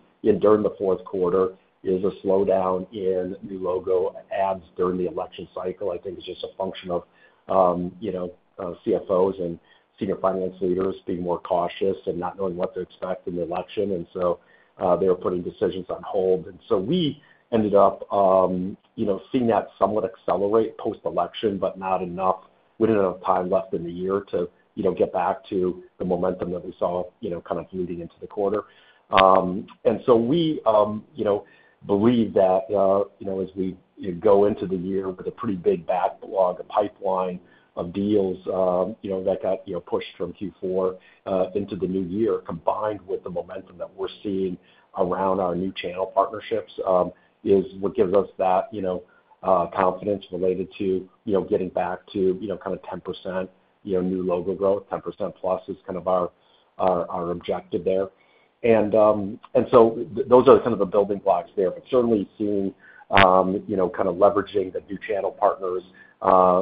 during the fourth quarter is a slowdown in new logo adds during the election cycle. I think it's just a function of CFOs and senior finance leaders being more cautious and not knowing what to expect in the election. And so they were putting decisions on hold. And so we ended up seeing that somewhat accelerate post-election, but not enough. We didn't have time left in the year to get back to the momentum that we saw kind of leading into the quarter. And so we believe that as we go into the year with a pretty big backlog, a pipeline of deals that got pushed from Q4 into the new year, combined with the momentum that we're seeing around our new channel partnerships is what gives us that confidence related to getting back to kind of 10% new logo growth. 10% plus is kind of our objective there. And so those are kind of the building blocks there. But certainly seeing kind of leveraging the new channel partners,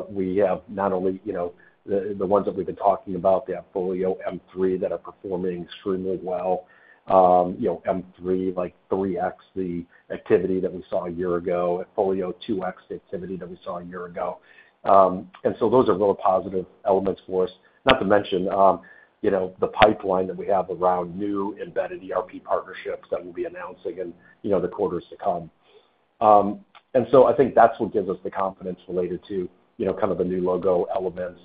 we have not only the ones that we've been talking about, they have AppFolio, M3 that are performing extremely well. M3, like 3x, the activity that we saw a year ago, AppFolio 2x, the activity that we saw a year ago. And so those are really positive elements for us. Not to mention the pipeline that we have around new embedded ERP partnerships that we'll be announcing in the quarters to come. And so I think that's what gives us the confidence related to kind of the new logo elements,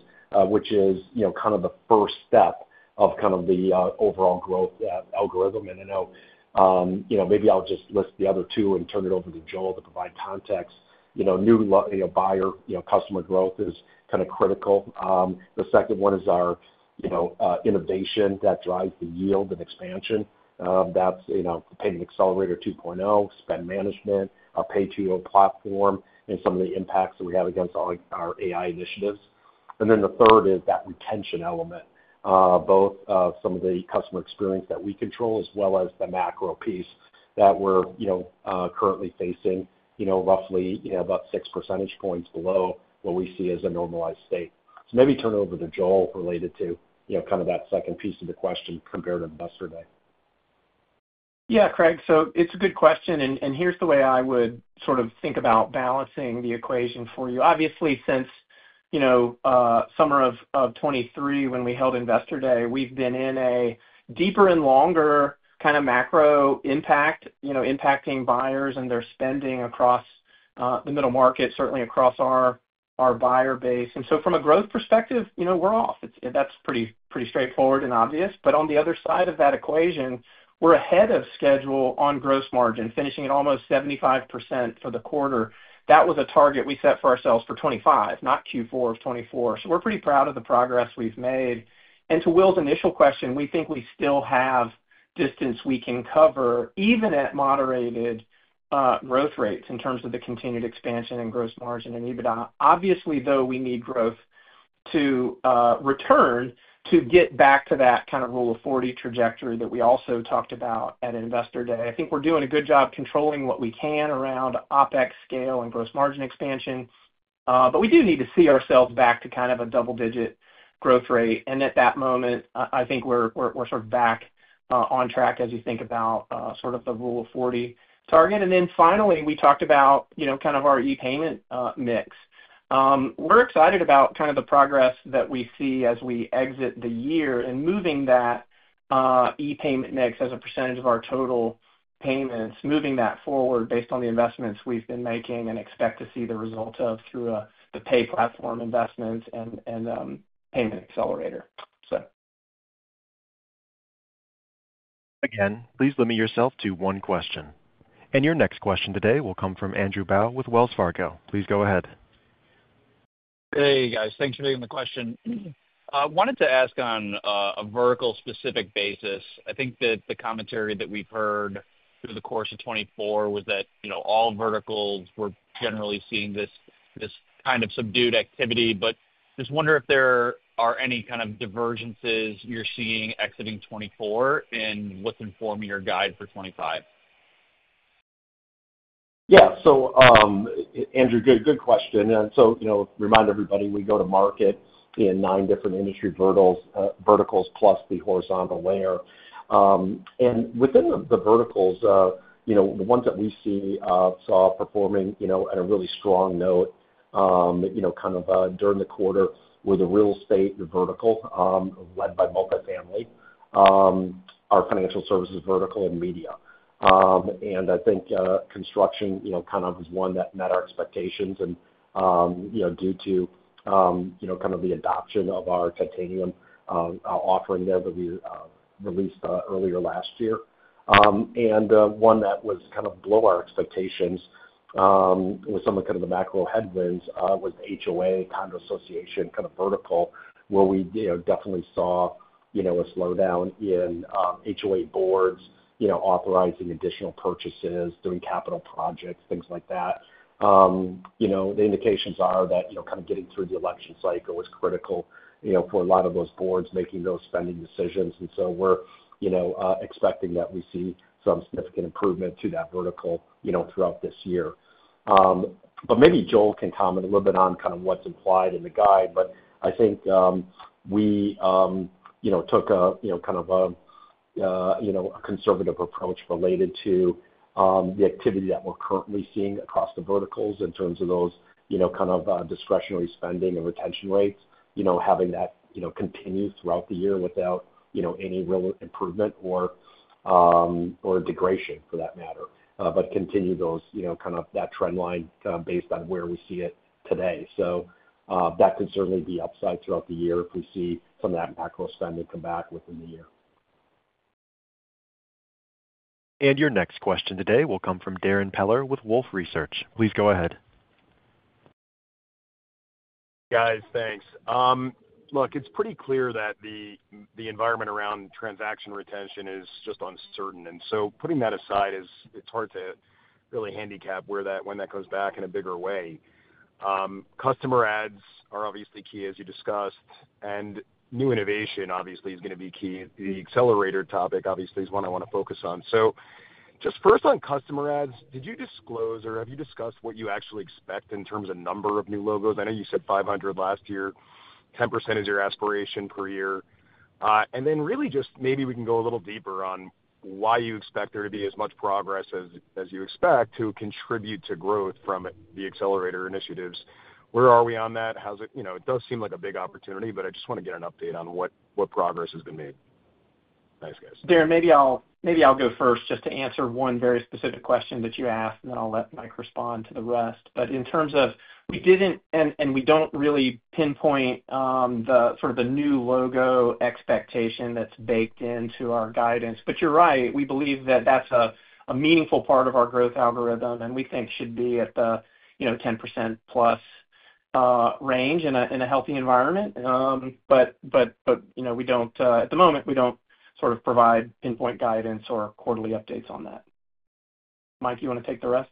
which is kind of the first step of kind of the overall growth algorithm. And I know maybe I'll just list the other two and turn it over to Joel to provide context. New buyer customer growth is kind of critical. The second one is our innovation that drives the yield and expansion. That's the Payment Accelerator 2.0, Spend Management, our Pay 2.0 platform, and some of the impacts that we have against our AI initiatives. And then the third is that retention element, both of some of the customer experience that we control as well as the macro piece that we're currently facing, roughly about six percentage points below what we see as a normalized state. So maybe turn it over to Joel related to kind of that second piece of the question compared to investor day. Yeah, Craig. So it's a good question. And here's the way I would sort of think about balancing the equation for you. Obviously, since summer of 2023, when we held investor day, we've been in a deeper and longer kind of macro impact impacting buyers and their spending across the middle market, certainly across our buyer base. And so from a growth perspective, we're off. That's pretty straightforward and obvious. But on the other side of that equation, we're ahead of schedule on gross margin, finishing at almost 75% for the quarter. That was a target we set for ourselves for 2025, not Q4 of 2024, so we're pretty proud of the progress we've made, and to Will's initial question, we think we still have distance we can cover even at moderated growth rates in terms of the continued expansion and gross margin and EBITDA. Obviously, though, we need growth to return to get back to that kind of Rule of 40 trajectory that we also talked about at investor day. I think we're doing a good job controlling what we can around OpEx scale and gross margin expansion, but we do need to see ourselves back to kind of a double-digit growth rate. And at that moment, I think we're sort of back on track as you think about sort of the Rule of 40 target. And then finally, we talked about kind of our e-payment mix. We're excited about kind of the progress that we see as we exit the year and moving that e-payment mix as a percentage of our total payments, moving that forward based on the investments we've been making and expect to see the result of through the pay platform investments and Payment Accelerator, so. Again, please limit yourself to one question. And your next question today will come from Andrew Bauch with Wells Fargo. Please go ahead. Hey, guys. Thanks for taking the question. Wanted to ask on a vertical-specific basis. I think that the commentary that we've heard through the course of 2024 was that all verticals were generally seeing this kind of subdued activity. But I just wonder if there are any kind of divergences you're seeing exiting 2024 and what's informing your guide for 2025. Yeah. Andrew, good question. Remind everybody we go to market in nine different industry verticals plus the horizontal layer. Within the verticals, the ones that we saw performing at a really strong note kind of during the quarter were the real estate vertical led by multifamily, our financial services vertical, and media. I think construction kind of was one that met our expectations due to kind of the adoption of our Titanium offering there that we released earlier last year. One that was kind of below our expectations with some of kind of the macro headwinds was the HOA/Condo Association kind of vertical, where we definitely saw a slowdown in HOA boards authorizing additional purchases, doing capital projects, things like that. The indications are that kind of getting through the election cycle was critical for a lot of those boards making those spending decisions, and so we're expecting that we see some significant improvement to that vertical throughout this year, but maybe Joel can comment a little bit on kind of what's implied in the guide, but I think we took kind of a conservative approach related to the activity that we're currently seeing across the verticals in terms of those kind of discretionary spending and retention rates, having that continue throughout the year without any real improvement or degradation for that matter, but continue kind of that trend line based on where we see it today, so that could certainly be upside throughout the year if we see some of that macro spending come back within the year. And your next question today will come from Darrin Peller with Wolfe Research. Please go ahead. Hey, guys. Thanks. Look, it's pretty clear that the environment around transaction retention is just uncertain. And so putting that aside, it's hard to really handicap when that comes back in a bigger way. Customer adds are obviously key, as you discussed. And new innovation, obviously, is going to be key. The accelerator topic, obviously, is one I want to focus on. So just first on customer adds, did you disclose or have you discussed what you actually expect in terms of number of new logos? I know you said 500 last year. 10% is your aspiration per year. And then really just maybe we can go a little deeper on why you expect there to be as much progress as you expect to contribute to growth from the accelerator initiatives. Where are we on that? It does seem like a big opportunity, but I just want to get an update on what progress has been made. Thanks, guys. Darrin, maybe I'll go first just to answer one very specific question that you asked, and then I'll let Mike respond to the rest. But in terms of we didn't and we don't really pinpoint sort of the new logo expectation that's baked into our guidance. But you're right. We believe that that's a meaningful part of our growth algorithm, and we think should be at the 10% plus range in a healthy environment. But at the moment, we don't sort of provide pinpoint guidance or quarterly updates on that. Mike, you want to take the rest?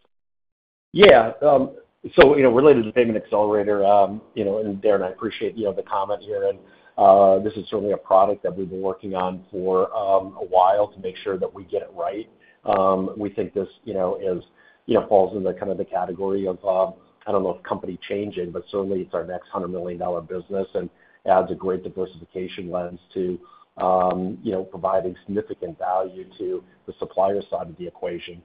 Yeah. So related to the Payment Accelerator, and Darrin, I appreciate the comment here. And this is certainly a product that we've been working on for a while to make sure that we get it right. We think this falls into kind of the category of, I don't know if company changing, but certainly it's our next $100 million business and adds a great diversification lens to providing significant value to the supplier side of the equation.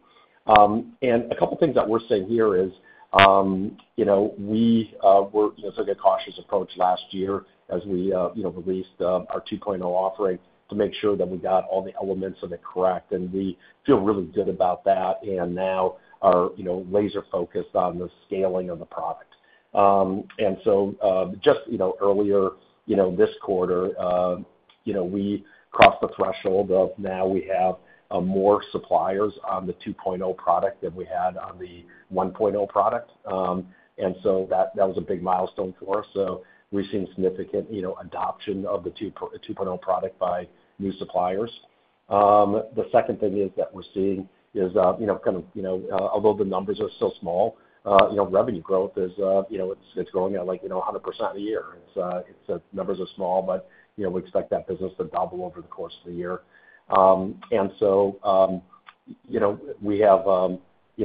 And a couple of things that we're saying here is we took a cautious approach last year as we released our 2.0 offering to make sure that we got all the elements of it correct. And we feel really good about that and now are laser-focused on the scaling of the product. And so just earlier this quarter, we crossed the threshold of now we have more suppliers on the 2.0 product than we had on the 1.0 product. And so that was a big milestone for us. So we've seen significant adoption of the 2.0 product by new suppliers. The second thing that we're seeing is kind of, although the numbers are still small, revenue growth. It's growing at like 100% a year. The numbers are small, but we expect that business to double over the course of the year. And so we have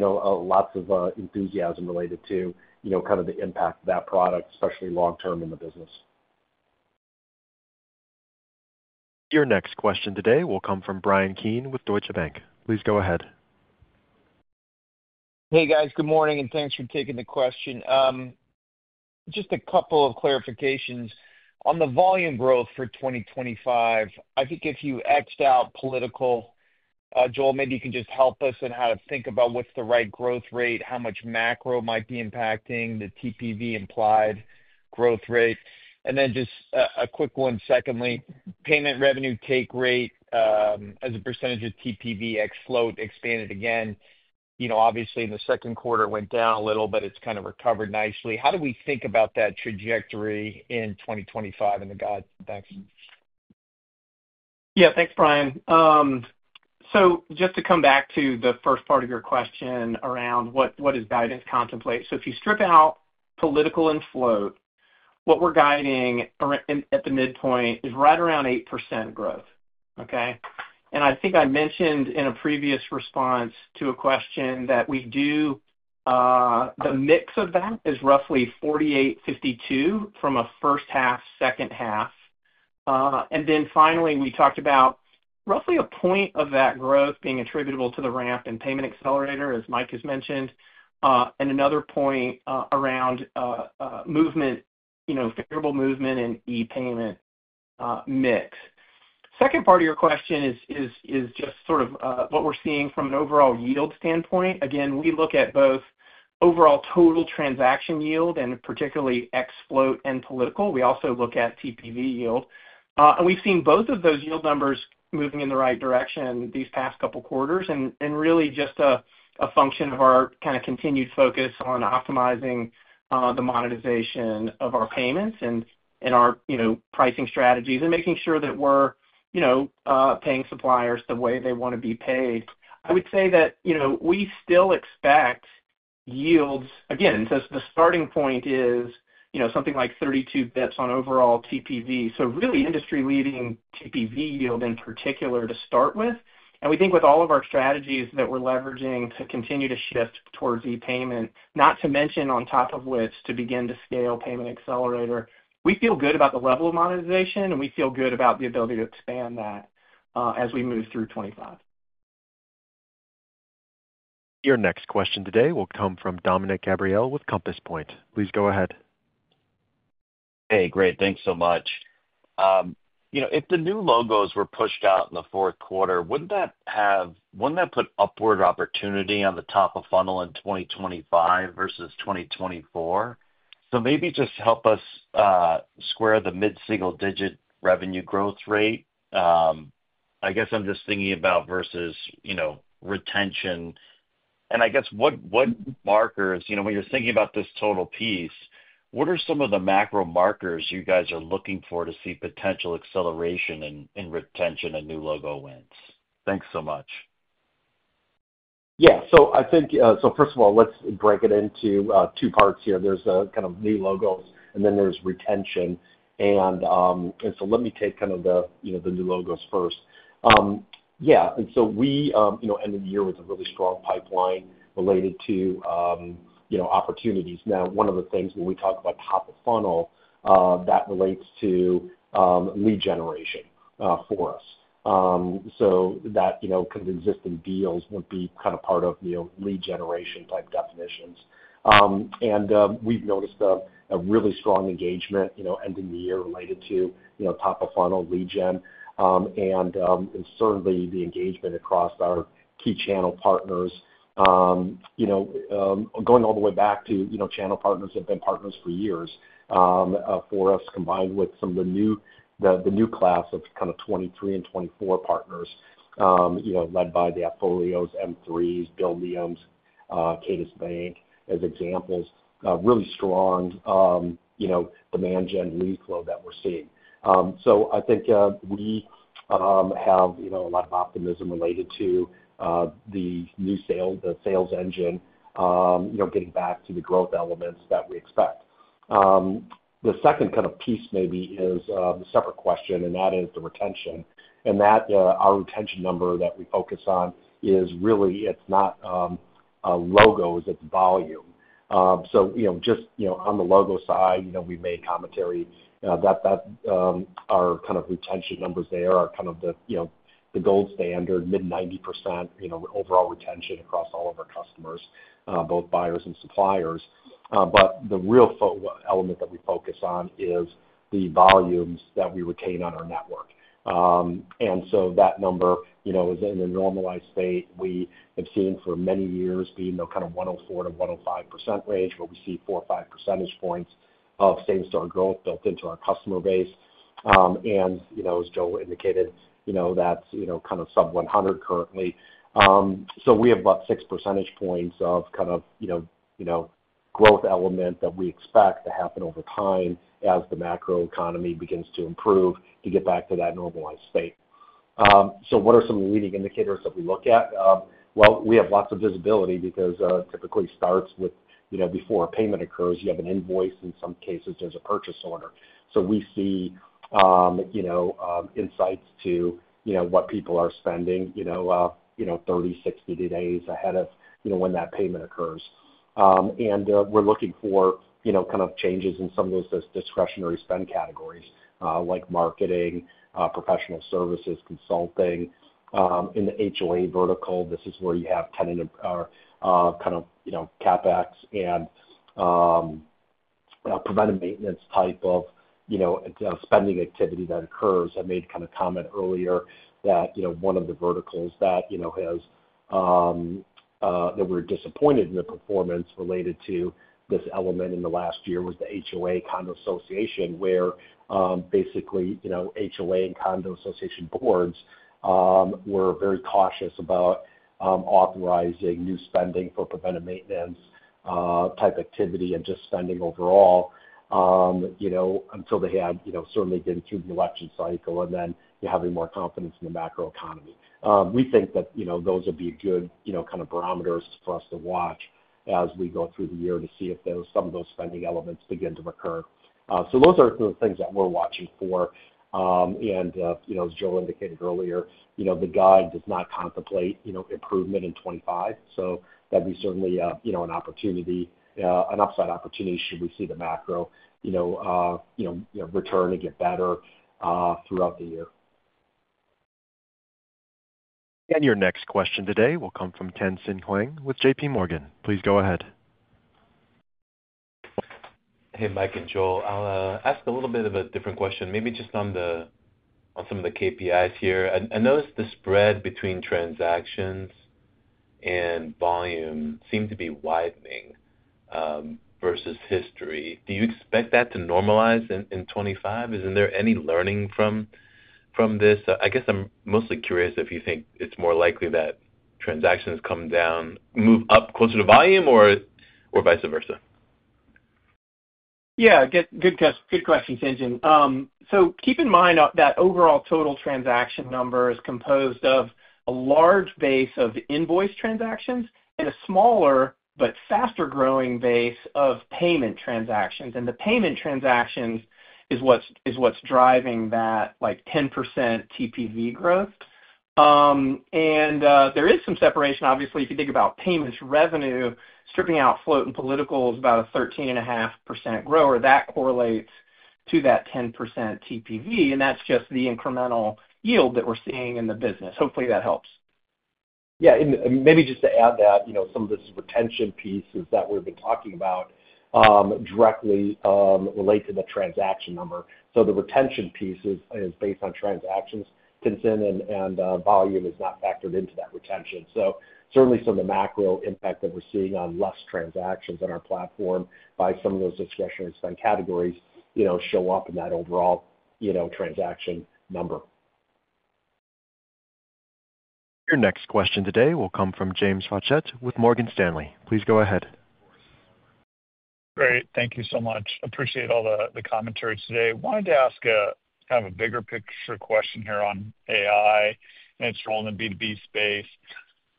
lots of enthusiasm related to kind of the impact of that product, especially long-term in the business. Your next question today will come from Bryan Keane with Deutsche Bank. Please go ahead. Hey, guys. Good morning, and thanks for taking the question. Just a couple of clarifications. On the volume growth for 2025, I think if you X'd out political, Joel, maybe you can just help us in how to think about what's the right growth rate, how much macro might be impacting the TPV implied growth rate. And then just a quick one, secondly, payment revenue take rate as a percentage of TPV ex float expanded again. Obviously, in the second quarter, it went down a little, but it's kind of recovered nicely. How do we think about that trajectory in 2025 in the guide? Thanks. Yeah. Thanks, Bryan. So just to come back to the first part of your question around what does guidance contemplate. So if you strip out political and float, what we're guiding at the midpoint is right around 8% growth. Okay? I think I mentioned in a previous response to a question that we do the mix of that is roughly 48, 52 from a first half, second half. Then finally, we talked about roughly a point of that growth being attributable to the ramp and Payment Accelerator, as Mike has mentioned, and another point around movement, favorable movement, and e-payment mix. Second part of your question is just sort of what we're seeing from an overall yield standpoint. Again, we look at both overall total Transaction Yield and particularly ex float and political. We also look at TPV yield. And we've seen both of those yield numbers moving in the right direction these past couple of quarters and really just a function of our kind of continued focus on optimizing the monetization of our payments and our pricing strategies and making sure that we're paying suppliers the way they want to be paid. I would say that we still expect yields again, so the starting point is something like 32 basis points on overall TPV. So really industry-leading TPV yield in particular to start with. And we think with all of our strategies that we're leveraging to continue to shift towards e-payment, not to mention on top of which to begin to scale Payment Accelerator, we feel good about the level of monetization, and we feel good about the ability to expand that as we move through 2025. Your next question today will come from Dominick Gabriele with Compass Point. Please go ahead. Hey, great. Thanks so much. If the new logos were pushed out in the fourth quarter, wouldn't that have put upward opportunity on the top of funnel in 2025 versus 2024? So maybe just help us square the mid-single-digit revenue growth rate. I guess I'm just thinking about versus retention. And I guess what markers, when you're thinking about this total piece, what are some of the macro markers you guys are looking for to see potential acceleration in retention and new logo wins? Thanks so much. Yeah. So I think, so first of all, let's break it into two parts here. There's kind of new logos, and then there's retention. And so let me take kind of the new logos first. Yeah. And so we ended the year with a really strong pipeline related to opportunities. Now, one of the things when we talk about top of funnel, that relates to lead generation for us, so that kind of existing deals would be kind of part of lead generation type definitions, and we've noticed a really strong engagement ending the year related to top of funnel lead gen, and certainly, the engagement across our key channel partners, going all the way back to channel partners have been partners for years for us, combined with some of the new class of kind of 2023 and 2024 partners led by the AppFolios, M3s, Buildiums, Cadence Bank as examples, really strong demand gen lead flow that we're seeing, so I think we have a lot of optimism related to the new sales, the sales engine, getting back to the growth elements that we expect. The second kind of piece maybe is a separate question, and that is the retention. And our retention number that we focus on is really it's not logos, it's volume. So just on the logo side, we made commentary that our kind of retention numbers there are kind of the gold standard, mid-90% overall retention across all of our customers, both buyers and suppliers. But the real element that we focus on is the volumes that we retain on our network. And so that number is in a normalized state. We have seen for many years being kind of 104%-105% range, where we see four or five percentage points of same-store growth built into our customer base. And as Joel indicated, that's kind of sub-100% currently. So we have about six percentage points of kind of growth element that we expect to happen over time as the macro economy begins to improve to get back to that normalized state. So what are some leading indicators that we look at? Well, we have lots of visibility because it typically starts with before a payment occurs, you have an invoice. In some cases, there's a purchase order. So we see insights to what people are spending 30, 60 days ahead of when that payment occurs. And we're looking for kind of changes in some of those discretionary spend categories like marketing, professional services, consulting. In the HOA vertical, this is where you have tenant or kind of CapEx and preventive maintenance type of spending activity that occurs. I made kind of comment earlier that one of the verticals that we're disappointed in the performance related to this element in the last year was the HOA condo association, where basically HOA and condo association boards were very cautious about authorizing new spending for preventive maintenance type activity and just spending overall until they had certainly been through the election cycle and then having more confidence in the macro economy. We think that those would be good kind of barometers for us to watch as we go through the year to see if some of those spending elements begin to recur, so those are some of the things that we're watching for. And as Joel indicated earlier, the guide does not contemplate improvement in 2025, so that'd be certainly an opportunity, an upside opportunity should we see the macro return and get better throughout the year. And your next question today will come from Tien-tsin Huang with JPMorgan. Please go ahead. Hey, Mike and Joel. I'll ask a little bit of a different question, maybe just on some of the KPIs here. I noticed the spread between transactions and volume seemed to be widening versus history. Do you expect that to normalize in 2025? Isn't there any learning from this? I guess I'm mostly curious if you think it's more likely that transactions come down, move up closer to volume, or vice versa. Yeah. Good question, Tien-tsin. So keep in mind that overall total transaction number is composed of a large base of invoice transactions and a smaller but faster-growing base of payment transactions. And the payment transactions is what's driving that 10% TPV growth. And there is some separation. Obviously, if you think about payments revenue, stripping out float and P&L is about a 13.5% grower. That correlates to that 10% TPV. And that's just the incremental yield that we're seeing in the business. Hopefully, that helps. Yeah. And maybe just to add that some of this retention piece is that we've been talking about directly relates to the transaction number. So the retention piece is based on transactions, Tien-tsin, and volume is not factored into that retention. So certainly, some of the macro impact that we're seeing on less transactions on our platform by some of those discretionary spend categories show up in that overall transaction number. Your next question today will come from James Faucette with Morgan Stanley. Please go ahead. Great. Thank you so much. Appreciate all the commentary today. Wanted to ask kind of a bigger picture question here on AI and its role in the B2B space.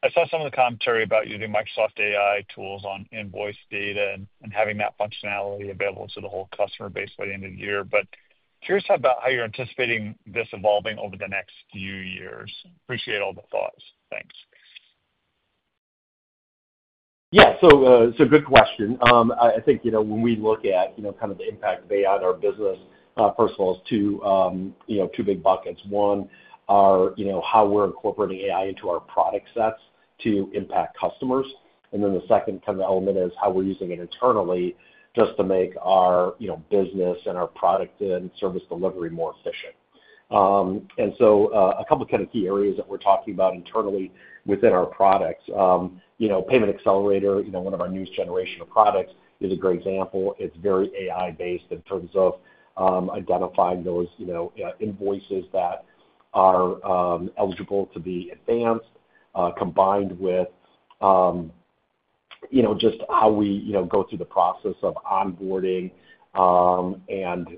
I saw some of the commentary about using Microsoft AI tools on invoice data and having that functionality available to the whole customer base by the end of the year. But curious about how you're anticipating this evolving over the next few years. Appreciate all the thoughts. Thanks. Yeah, so good question. I think when we look at kind of the impact of AI on our business, first of all, is two big buckets. One are how we're incorporating AI into our product sets to impact customers. And then the second kind of element is how we're using it internally just to make our business and our product and service delivery more efficient. And so a couple of kind of key areas that we're talking about internally within our products. Payment Accelerator, one of our newest generation of products, is a great example. It's very AI-based in terms of identifying those invoices that are eligible to be advanced, combined with just how we go through the process of onboarding and kind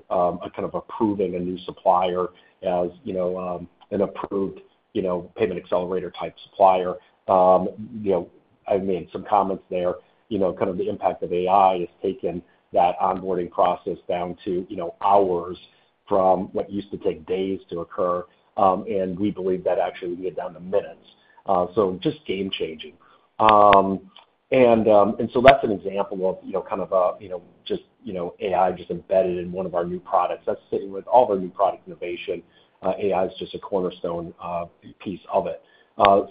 of approving a new supplier as an approved Payment Accelerator type supplier. I made some comments there. Kind of the impact of AI has taken that onboarding process down to hours from what used to take days to occur. And we believe that actually we can get down to minutes. So just game-changing. And so that's an example of kind of just AI just embedded in one of our new products. That's sitting with all of our new product innovation. AI is just a cornerstone piece of it.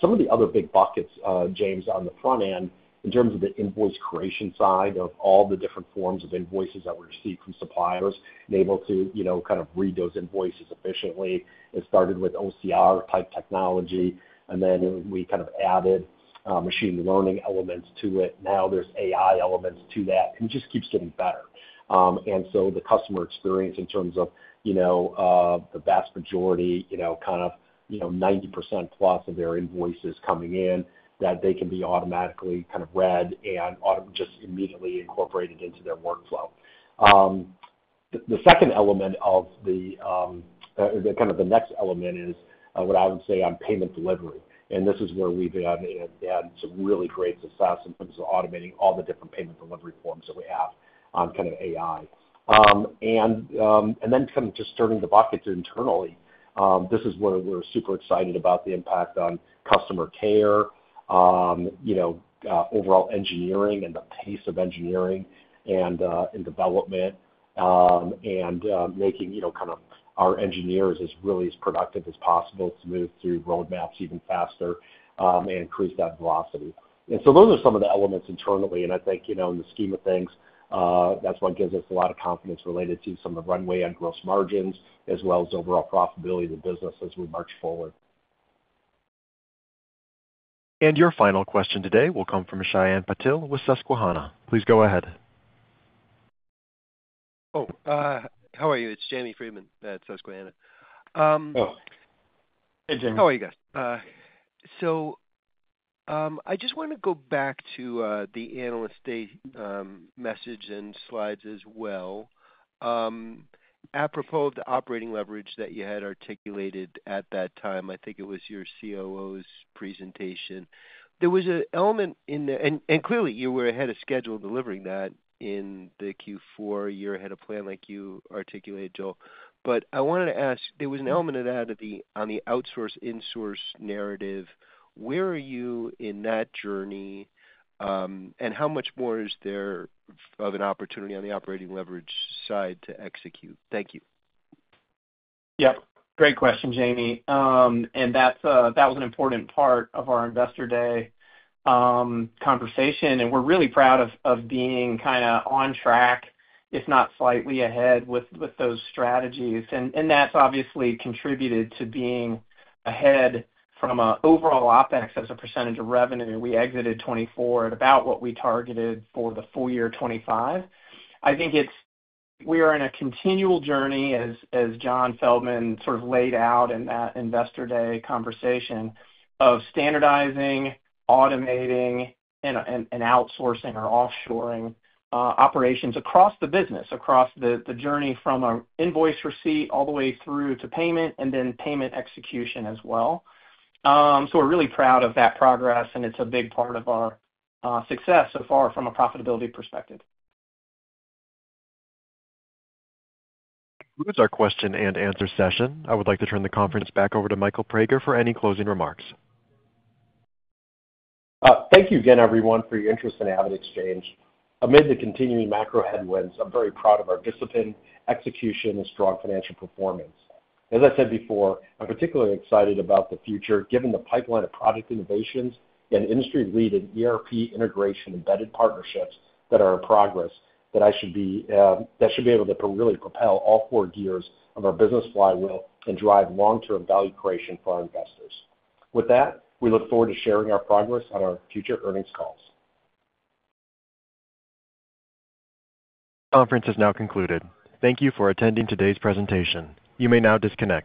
Some of the other big buckets, James, on the front end, in terms of the invoice creation side of all the different forms of invoices that we receive from suppliers and able to kind of read those invoices efficiently. It started with OCR type technology. And then we kind of added machine learning elements to it. Now there's AI elements to that. And it just keeps getting better. And so the customer experience in terms of the vast majority, kind of 90% plus of their invoices coming in, that they can be automatically kind of read and just immediately incorporated into their workflow. The second element of the kind of the next element is what I would say on payment delivery. And this is where we've had some really great success in terms of automating all the different payment delivery forms that we have on kind of AI. And then, kind of just turning the buckets internally, this is where we're super excited about the impact on customer care, overall engineering, and the pace of engineering and development, and making kind of our engineers as really as productive as possible to move through roadmaps even faster and increase that velocity. And so those are some of the elements internally. And I think in the scheme of things, that's what gives us a lot of confidence related to some of the runway and gross margins as well as overall profitability of the business as we march forward. And your final question today will come from Shyam Patil with Susquehanna. Please go ahead. Oh, how are you? It's Jamie Friedman at Susquehanna. Oh. Hey, Jamie. How are you guys? So I just want to go back to the analyst message and slides as well. Apropos of the operating leverage that you had articulated at that time, I think it was your COO's presentation. There was an element in the end, and clearly, you were ahead of schedule delivering that in the Q4 year ahead of plan, like you articulated, Joel. But I wanted to ask, there was an element of that on the outsource/insource narrative. Where are you in that journey? And how much more is there of an opportunity on the operating leverage side to execute? Thank you. Yep. Great question, Jamie. That was an important part of our investor day conversation. We're really proud of being kind of on track, if not slightly ahead with those strategies. That's obviously contributed to being ahead from an overall OpEx as a percentage of revenue. We exited 2024 at about what we targeted for the full year 2025. I think we are in a continual journey, as John Feldman sort of laid out in that investor day conversation, of standardizing, automating, and outsourcing or offshoring operations across the business, across the journey from an invoice receipt all the way through to payment and then payment execution as well. So we're really proud of that progress. And it's a big part of our success so far from a profitability perspective. That concludes our question and answer session. I would like to turn the conference back over to Michael Praeger for any closing remarks. Thank you again, everyone, for your interest in AvidXchange. Amid the continuing macro headwinds, I'm very proud of our discipline, execution, and strong financial performance. As I said before, I'm particularly excited about the future, given the pipeline of product innovations and industry-leading ERP integration embedded partnerships that are in progress, that I should be able to really propel all four gears of our Business Flywheel and drive long-term value creation for our investors. With that, we look forward to sharing our progress on our future earnings calls. The conference is now concluded. Thank you for attending today's presentation. You may now disconnect.